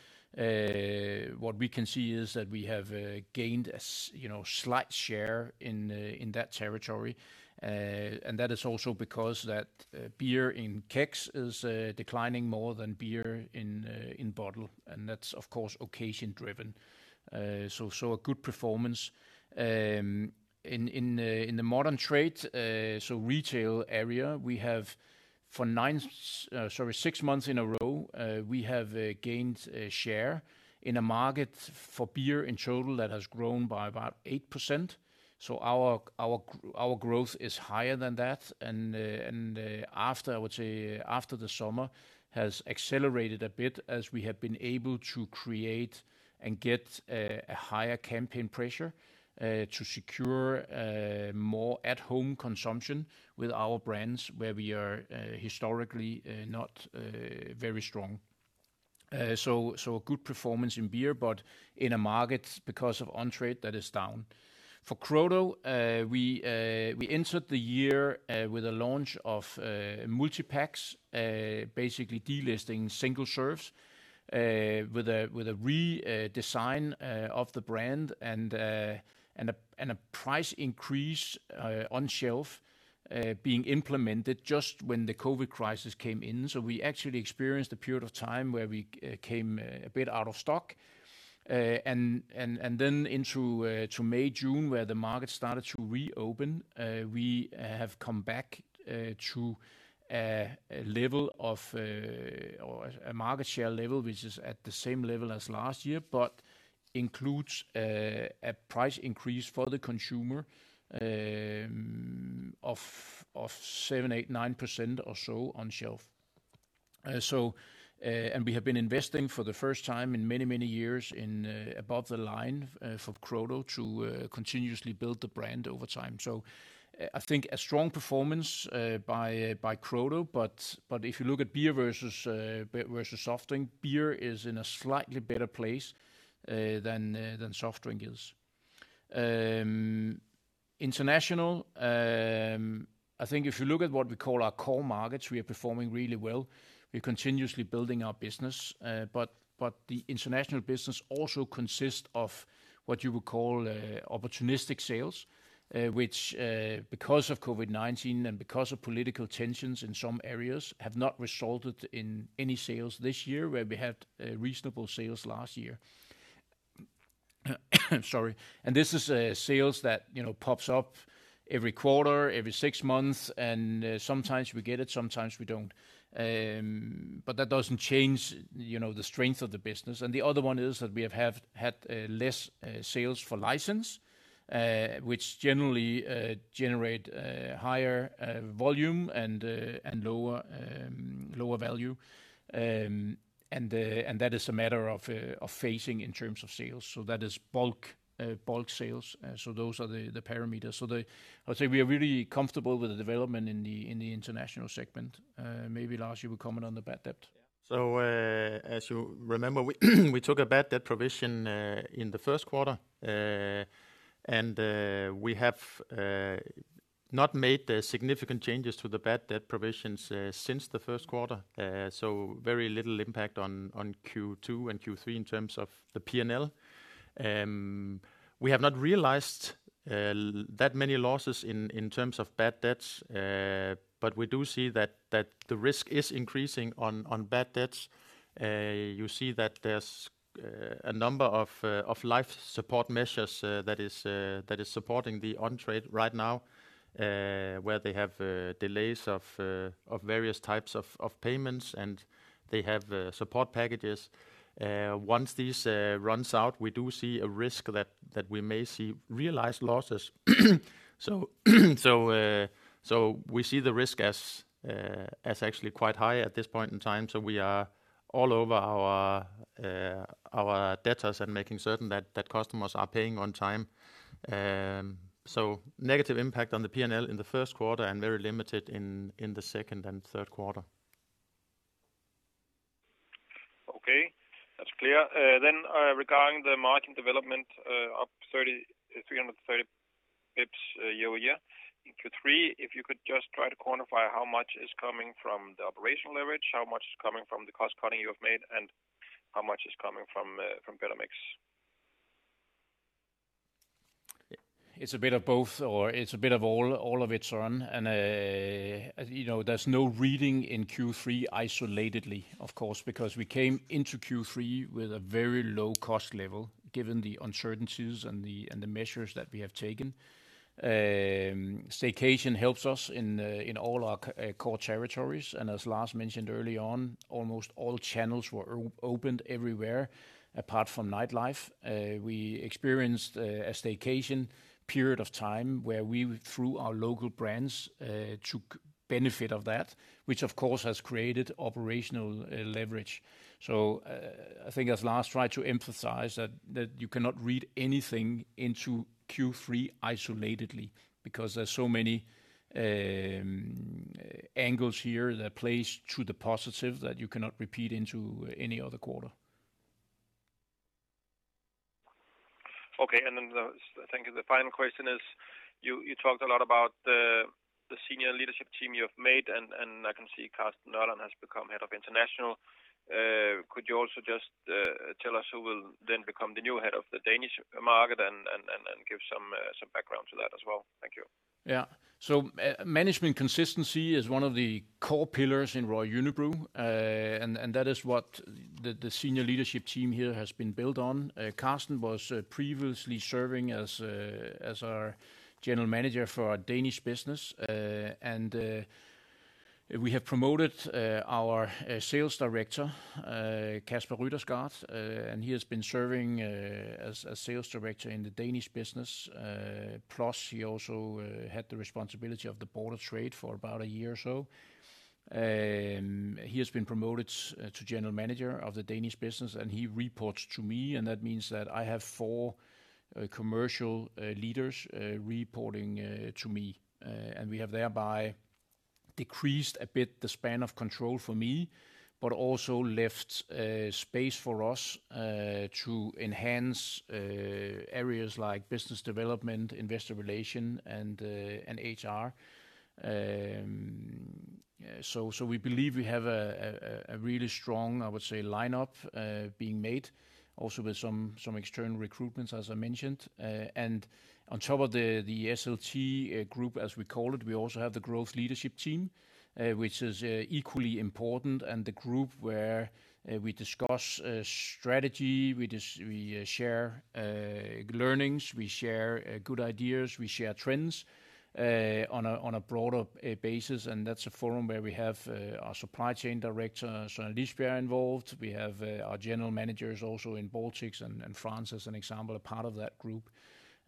what we can see is that we have gained a slight share in that territory. That is also because beer in kegs is declining more than beer in bottle, and that's, of course, occasion driven. A good performance. In the modern trade, so retail area, we have for six months in a row, we have gained share in a market for beer in total that has grown by about 8%. Our growth is higher than that, and after the summer has accelerated a bit as we have been able to create and get a higher campaign pressure to secure more at-home consumption with our brands where we are historically not very strong. A good performance in beer, but in a market because of on-trade that is down. For Crodo, we entered the year with a launch of multipacks, basically delisting single serves with a redesign of the brand and a price increase on shelf being implemented just when the COVID-19 crisis came in. We actually experienced a period of time where we came a bit out of stock. Then into May, June, where the market started to reopen, we have come back to a market share level which is at the same level as last year but includes a price increase for the consumer of 7%, 8%, 9% or so on shelf. We have been investing for the first time in many, many years above the line for Crodo to continuously build the brand over time. I think a strong performance by Crodo, but if you look at beer versus soft drink, beer is in a slightly better place than soft drink is. International, I think if you look at what we call our core markets, we are performing really well. We're continuously building our business. The international business also consists of what you would call opportunistic sales, which because of COVID-19 and because of political tensions in some areas have not resulted in any sales this year where we had reasonable sales last year. Sorry. This is sales that pops up every quarter, every six months, and sometimes we get it, sometimes we don't. That doesn't change the strength of the business. The other one is that we have had less sales for license, which generally generate higher volume and lower value. That is a matter of phasing in terms of sales. That is bulk sales. Those are the parameters. I would say we are really comfortable with the development in the international segment. Maybe Lars, you would comment on the bad debt? As you remember, we took a bad debt provision in the first quarter, and we have not made significant changes to the bad debt provisions since the first quarter. Very little impact on Q2 and Q3 in terms of the P&L. We have not realized that many losses in terms of bad debts, but we do see that the risk is increasing on bad debts. You see that there's a number of life support measures that is supporting the on-trade right now where they have delays of various types of payments, and they have support packages. Once this runs out, we do see a risk that we may see realized losses. We see the risk as actually quite high at this point in time. We are all over our debtors and making certain that customers are paying on time. Negative impact on the P&L in the first quarter and very limited in the second and third quarter. Okay. That's clear. Regarding the margin development up 330 basis points year-over-year in Q3, if you could just try to quantify how much is coming from the operational leverage, how much is coming from the cost cutting you have made, and how much is coming from better mix? It's a bit of both, or it's a bit of all of it, Søren. There's no reading in Q3 isolatedly, of course, because we came into Q3 with a very low cost level, given the uncertainties and the measures that we have taken. Staycation helps us in all our core territories, and as Lars mentioned early on, almost all channels were opened everywhere apart from nightlife. We experienced a staycation period of time where we, through our local brands, took benefit of that, which of course has created operational leverage. I think as Lars tried to emphasize, that you cannot read anything into Q3 isolatedly because there's so many angles here that plays to the positive that you cannot repeat into any other quarter. Okay. I think the final question is, you talked a lot about the senior leadership team you have made, and I can see Carsten Nørland has become Head of International. Could you also just tell us who will then become the new head of the Danish market and give some background to that as well? Thank you. Management consistency is one of the core pillars in Royal Unibrew, and that is what the senior leadership team here has been built on. Carsten was previously serving as our General Manager for our Danish business, and we have promoted our Sales Director, Kasper Ryttersgaard, and he has been serving as Sales Director in the Danish business. He also had the responsibility of the border trade for about a year or so. He has been promoted to General Manager of the Danish business, and he reports to me, and that means that I have four commercial leaders reporting to me. We have thereby decreased a bit the span of control for me, but also left space for us to enhance areas like business development, investor relation, and HR. We believe we have a really strong, I would say, lineup being made also with some external recruitments, as I mentioned. On top of the SLT group, as we call it, we also have the growth leadership team, which is equally important, and the group where we discuss strategy, we share learnings, we share good ideas, we share trends on a broader basis. That's a forum where we have our Supply Chain Director, Søren Lisbjerg, involved. We have our general managers also in Baltics and France, as an example, are part of that group.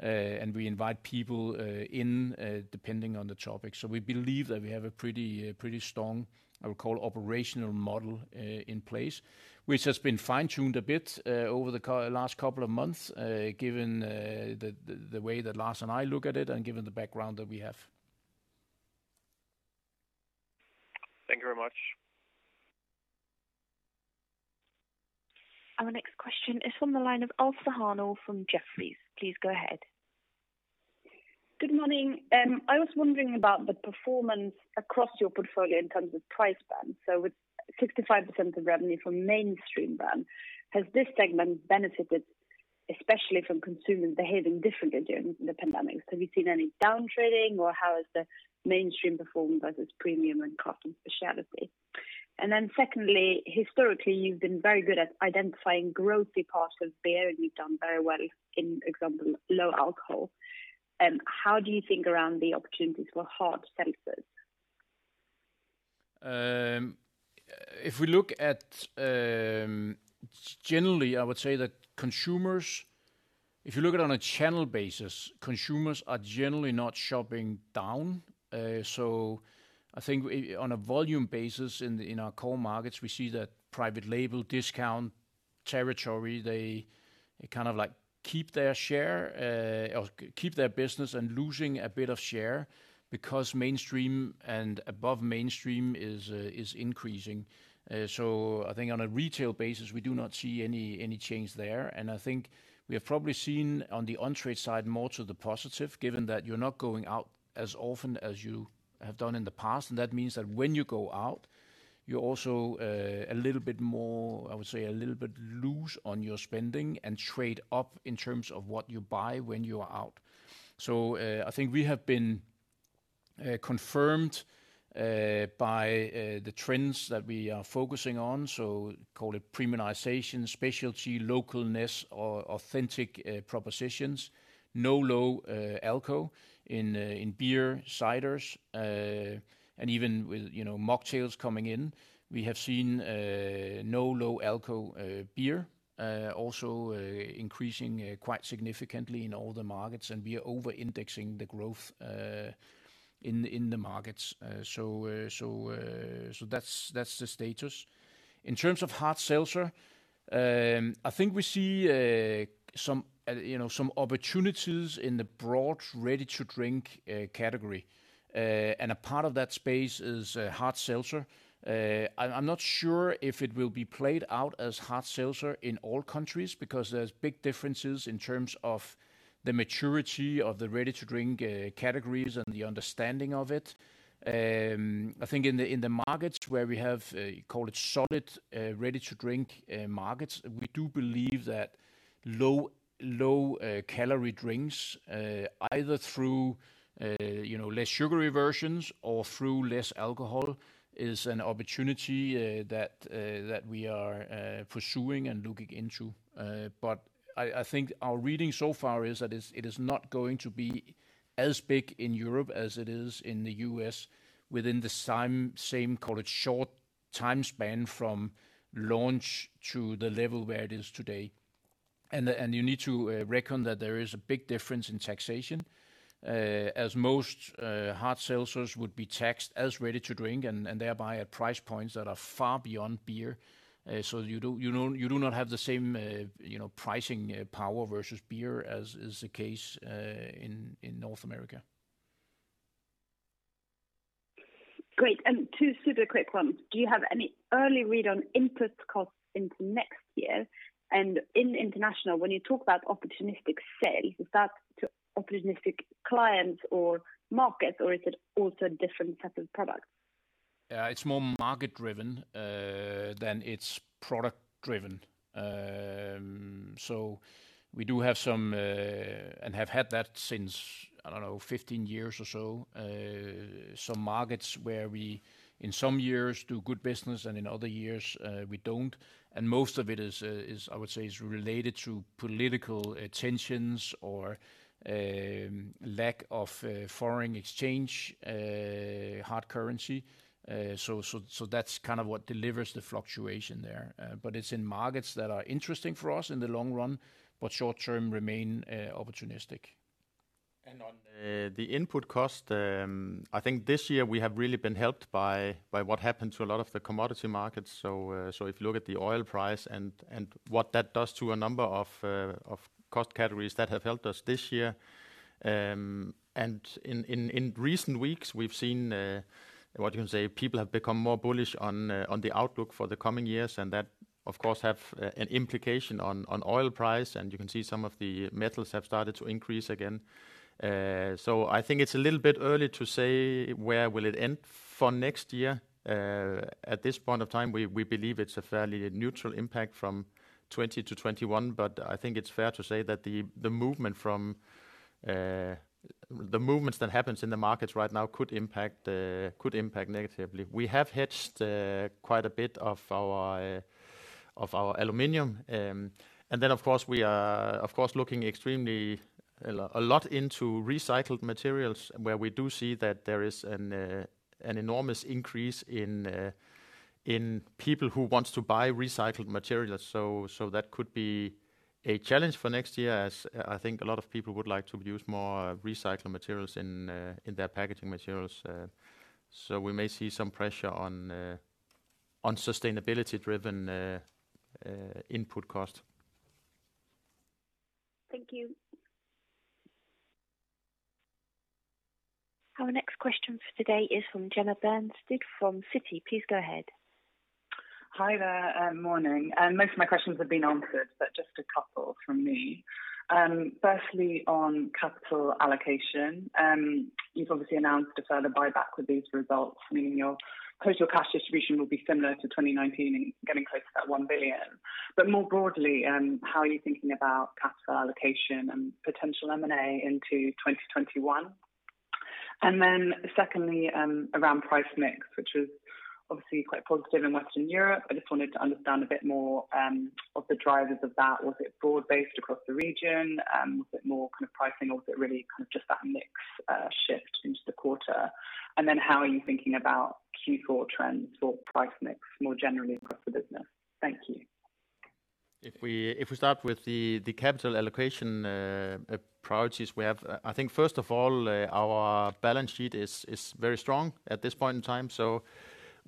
We invite people in depending on the topic. We believe that we have a pretty strong, I would call, operational model in place, which has been fine-tuned a bit over the last couple of months given the way that Lars and I look at it and given the background that we have. Thank you very much. Our next question is from the line of Ailsa Hannell from Jefferies. Please go ahead. Good morning. I was wondering about the performance across your portfolio in terms of price band. With 65% of revenue from mainstream brand, has this segment benefited especially from consumers behaving differently during the pandemic? Have you seen any down trading or how has the mainstream performed versus premium and craft and specialty? Secondly, historically, you've been very good at identifying growthy parts of beer, and you've done very well in, example, low alcohol. How do you think around the opportunities for hard seltzers? Generally, I would say that consumers, if you look at it on a channel basis, consumers are generally not shopping down. I think on a volume basis in our core markets, we see that private label discount territory, they kind of keep their share or keep their business and losing a bit of share because mainstream and above mainstream is increasing. I think on a retail basis, we do not see any change there. I think we have probably seen on the on-trade side more to the positive, given that you're not going out as often as you have done in the past. That means that when you go out, you're also a little bit more, I would say, a little bit loose on your spending and trade up in terms of what you buy when you are out. I think we have been confirmed by the trends that we are focusing on. Call it premiumization, specialty, localness or authentic propositions. No low-alco in beer, ciders, and even with mocktails coming in. We have seen no low-alco beer also increasing quite significantly in all the markets, and we are over-indexing the growth in the markets. That's the status. In terms of hard seltzer, I think we see some opportunities in the broad ready-to-drink category, and a part of that space is hard seltzer. I'm not sure if it will be played out as hard seltzer in all countries because there's big differences in terms of the maturity of the ready-to-drink categories and the understanding of it. I think in the markets where we have, call it solid ready-to-drink markets, we do believe that low-calorie drinks either through less sugary versions or through less alcohol is an opportunity that we are pursuing and looking into. I think our reading so far is that it is not going to be as big in Europe as it is in the U.S. within the same, call it short time span from launch to the level where it is today. You need to reckon that there is a big difference in taxation, as most hard seltzers would be taxed as ready-to-drink and thereby at price points that are far beyond beer. You do not have the same pricing power versus beer as is the case in North America. Great. Two super quick ones. Do you have any early read on input costs into next year? In international, when you talk about opportunistic sales, is that to opportunistic clients or markets, or is it also a different type of product? Yeah, it's more market driven than it's product driven. We do have some, and have had that since, I don't know, 15 years or so, some markets where we, in some years, do good business, and in other years we don't. Most of it is, I would say, is related to political tensions or lack of foreign exchange, hard currency. That's kind of what delivers the fluctuation there. It's in markets that are interesting for us in the long run, but short term remain opportunistic. On the input cost, I think this year we have really been helped by what happened to a lot of the commodity markets. If you look at the oil price and what that does to a number of cost categories that have helped us this year. In recent weeks we've seen, what you can say, people have become more bullish on the outlook for the coming years, and that of course have an implication on oil price, and you can see some of the metals have started to increase again. I think it's a little bit early to say where will it end for next year. At this point of time, we believe it's a fairly neutral impact from 2020 to 2021, but I think it's fair to say that the movements that happens in the markets right now could impact negatively. We have hedged quite a bit of our aluminum. Then of course, we are looking extremely a lot into recycled materials, where we do see that there is an enormous increase in people who wants to buy recycled materials. That could be a challenge for next year, as I think a lot of people would like to use more recycled materials in their packaging materials. We may see some pressure on sustainability-driven input cost. Thank you. Our next question for today is from Jenna Bernstein from Citi. Please go ahead. Hi there, morning. Most of my questions have been answered, just a couple from me. Firstly, on capital allocation, you've obviously announced a further buyback with these results, meaning your total cash distribution will be similar to 2019 and getting close to that 1 billion. More broadly, how are you thinking about capital allocation and potential M&A into 2021? Secondly, around price mix, which was obviously quite positive in Western Europe. I just wanted to understand a bit more of the drivers of that. Was it broad-based across the region? Was it more kind of pricing, or was it really kind of just that mix shift into the quarter? How are you thinking about Q4 trends or price mix more generally across the business? Thank you. If we start with the capital allocation priorities we have. I think first of all, our balance sheet is very strong at this point in time.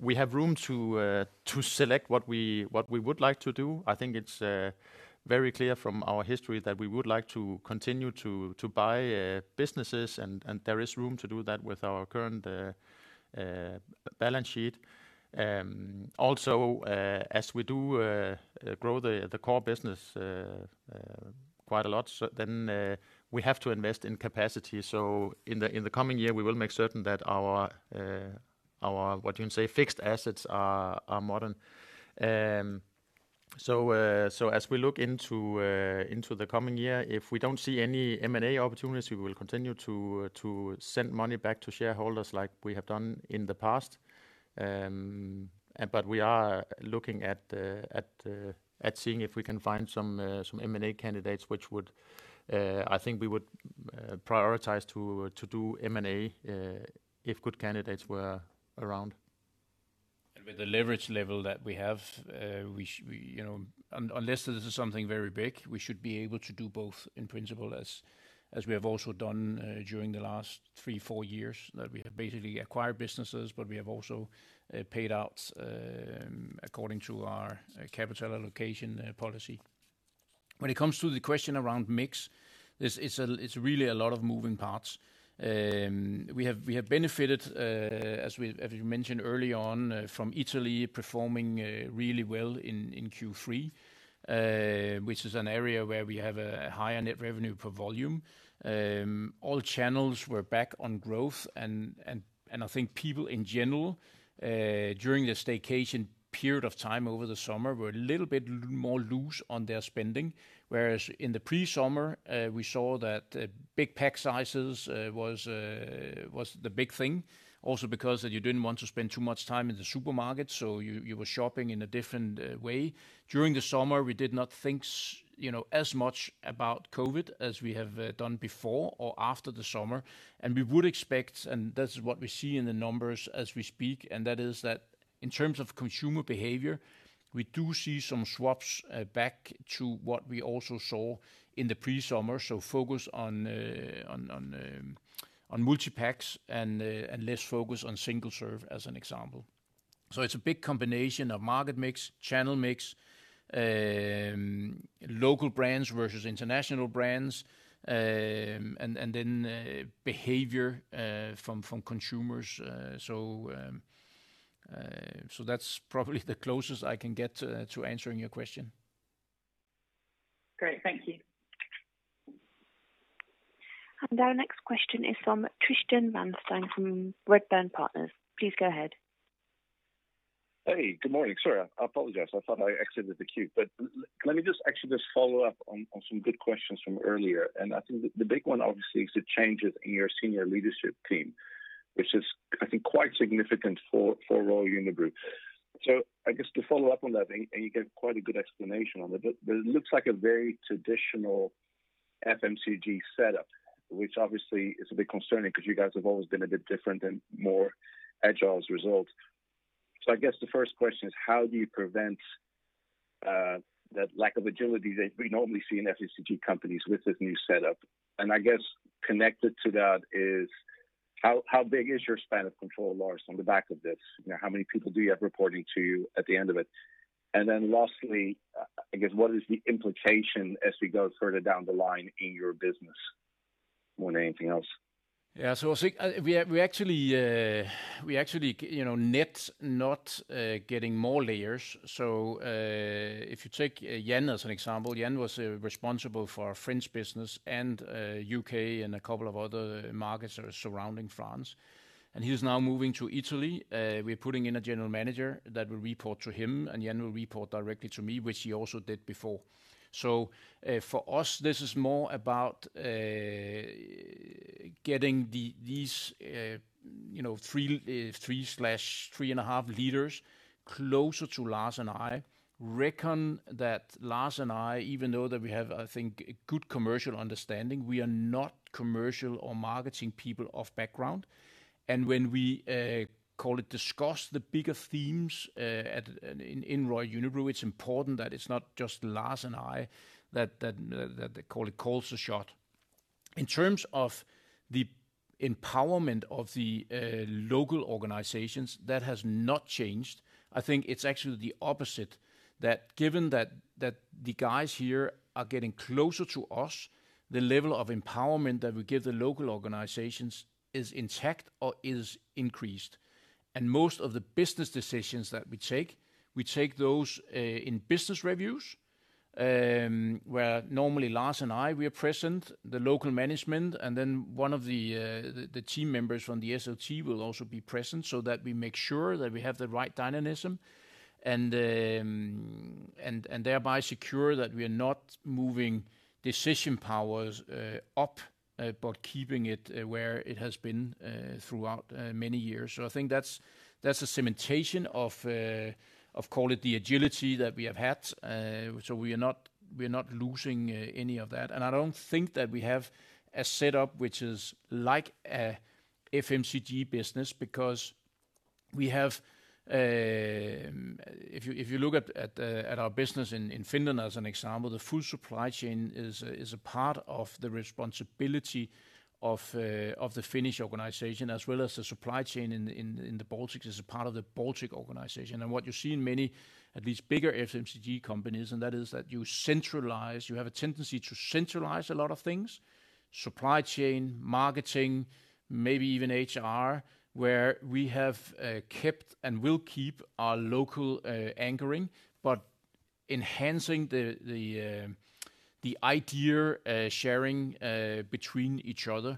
We have room to select what we would like to do. I think it's very clear from our history that we would like to continue to buy businesses, and there is room to do that with our current balance sheet. As we do grow the core business quite a lot, then we have to invest in capacity. In the coming year, we will make certain that our, what you can say, fixed assets are modern. As we look into the coming year, if we don't see any M&A opportunities, we will continue to send money back to shareholders like we have done in the past. We are looking at seeing if we can find some M&A candidates which would I think we would prioritize to do M&A if good candidates were around. With the leverage level that we have, unless this is something very big, we should be able to do both in principle as we have also done during the last three, four years. That we have basically acquired businesses, but we have also paid out according to our capital allocation policy. When it comes to the question around mix, it's really a lot of moving parts. We have benefited, as we mentioned early on, from Italy performing really well in Q3, which is an area where we have a higher net revenue per volume. All channels were back on growth. I think people in general, during the staycation period of time over the summer, were a little bit more loose on their spending. Whereas in the pre-summer, we saw that big pack sizes was the big thing. Also because that you didn't want to spend too much time in the supermarket, so you were shopping in a different way. During the summer, we did not think as much about COVID as we have done before or after the summer. We would expect, and that's what we see in the numbers as we speak, and that is that in terms of consumer behavior, we do see some swaps back to what we also saw in the pre-summer. Focus on multi-packs and less focus on single-serve, as an example. It's a big combination of market mix, channel mix, local brands versus international brands, and then behavior from consumers. That's probably the closest I can get to answering your question. Great. Thank you. Our next question is from Tristan Ramstein from Redburn Partners. Please go ahead. Hey, good morning. Sorry, I apologize. I thought I exited the queue. Let me just actually just follow up on some good questions from earlier. I think the big one, obviously, is the changes in your senior leadership team, which is, I think, quite significant for Royal Unibrew. I guess to follow up on that, you gave quite a good explanation on it looks like a very traditional FMCG setup, which obviously is a bit concerning because you guys have always been a bit different and more agile as a result. I guess the first question is, how do you prevent that lack of agility that we normally see in FMCG companies with this new setup? I guess connected to that is how big is your span of control, Lars, on the back of this? How many people do you have reporting to you at the end of it? Lastly, I guess what is the implication as we go further down the line in your business? More than anything else. Yeah. I think we actually net not getting more layers. If you take Jan as an example, Jan was responsible for our French business and U.K. and a couple of other markets that are surrounding France, and he's now moving to Italy. We're putting in a general manager that will report to him, and Jan will report directly to me, which he also did before. For us, this is more about getting these three/three and a half leaders closer to Lars and I. Reckon that Lars and I, even though that we have, I think, a good commercial understanding, we are not commercial or marketing people of background. When we, call it, discuss the bigger themes in Royal Unibrew, it's important that it's not just Lars and I that calls the shot. In terms of the empowerment of the local organizations, that has not changed. I think it's actually the opposite, that given that the guys here are getting closer to us, the level of empowerment that we give the local organizations is intact or is increased. Most of the business decisions that we take, we take those in business reviews, where normally Lars and I, we are present, the local management, and then one of the team members from the SLT will also be present so that we make sure that we have the right dynamism and thereby secure that we are not moving decision powers up, but keeping it where it has been throughout many years. I think that's a cementation of, call it, the agility that we have had. We are not losing any of that. I don't think that we have a setup which is like a FMCG business. If you look at our business in Finland as an example, the full supply chain is a part of the responsibility of the Finnish organization, as well as the supply chain in the Baltics is a part of the Baltic organization. What you see in many, at least bigger FMCG companies, and that is that you centralize, you have a tendency to centralize a lot of things, supply chain, marketing, maybe even HR, where we have kept and will keep our local anchoring, but enhancing the idea sharing between each other.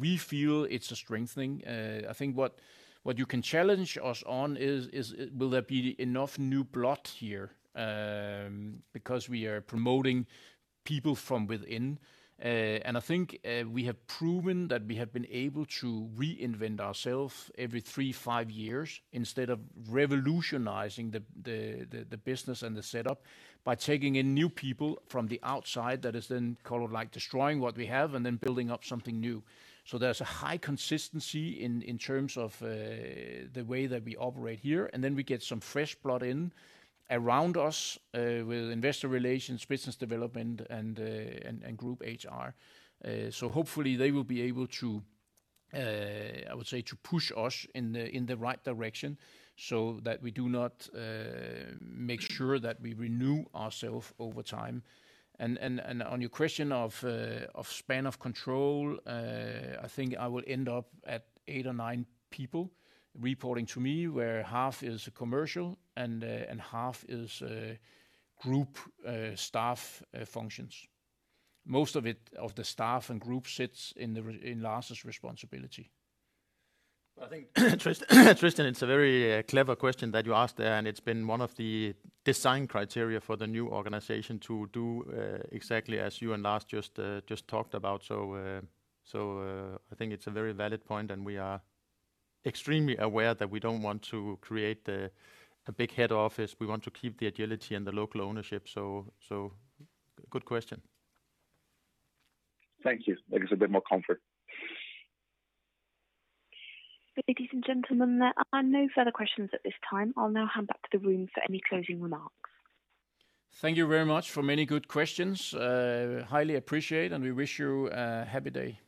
We feel it's a strength thing. I think what you can challenge us on is, will there be enough new blood here? We are promoting people from within. I think we have proven that we have been able to reinvent ourselves every three, five years instead of revolutionizing the business and the setup by taking in new people from the outside that is then destroying what we have and then building up something new. There's a high consistency in terms of the way that we operate here, and then we get some fresh blood in around us, with investor relations, business development, and group HR. Hopefully they will be able to, I would say, to push us in the right direction so that we do not make sure that we renew ourself over time. On your question of span of control, I think I will end up at eight or nine people reporting to me, where half is commercial and half is group staff functions. Most of it, of the staff and group sits in Lars' responsibility. I think, Tristan, it's a very clever question that you asked there, and it's been one of the design criteria for the new organization to do exactly as you and Lars just talked about. I think it's a very valid point, and we are extremely aware that we don't want to create a big head office. We want to keep the agility and the local ownership. Good question. Thank you. Gives a bit more comfort. Ladies and gentlemen, there are no further questions at this time. I'll now hand back to the room for any closing remarks. Thank you very much for many good questions. Highly appreciate. We wish you a happy day.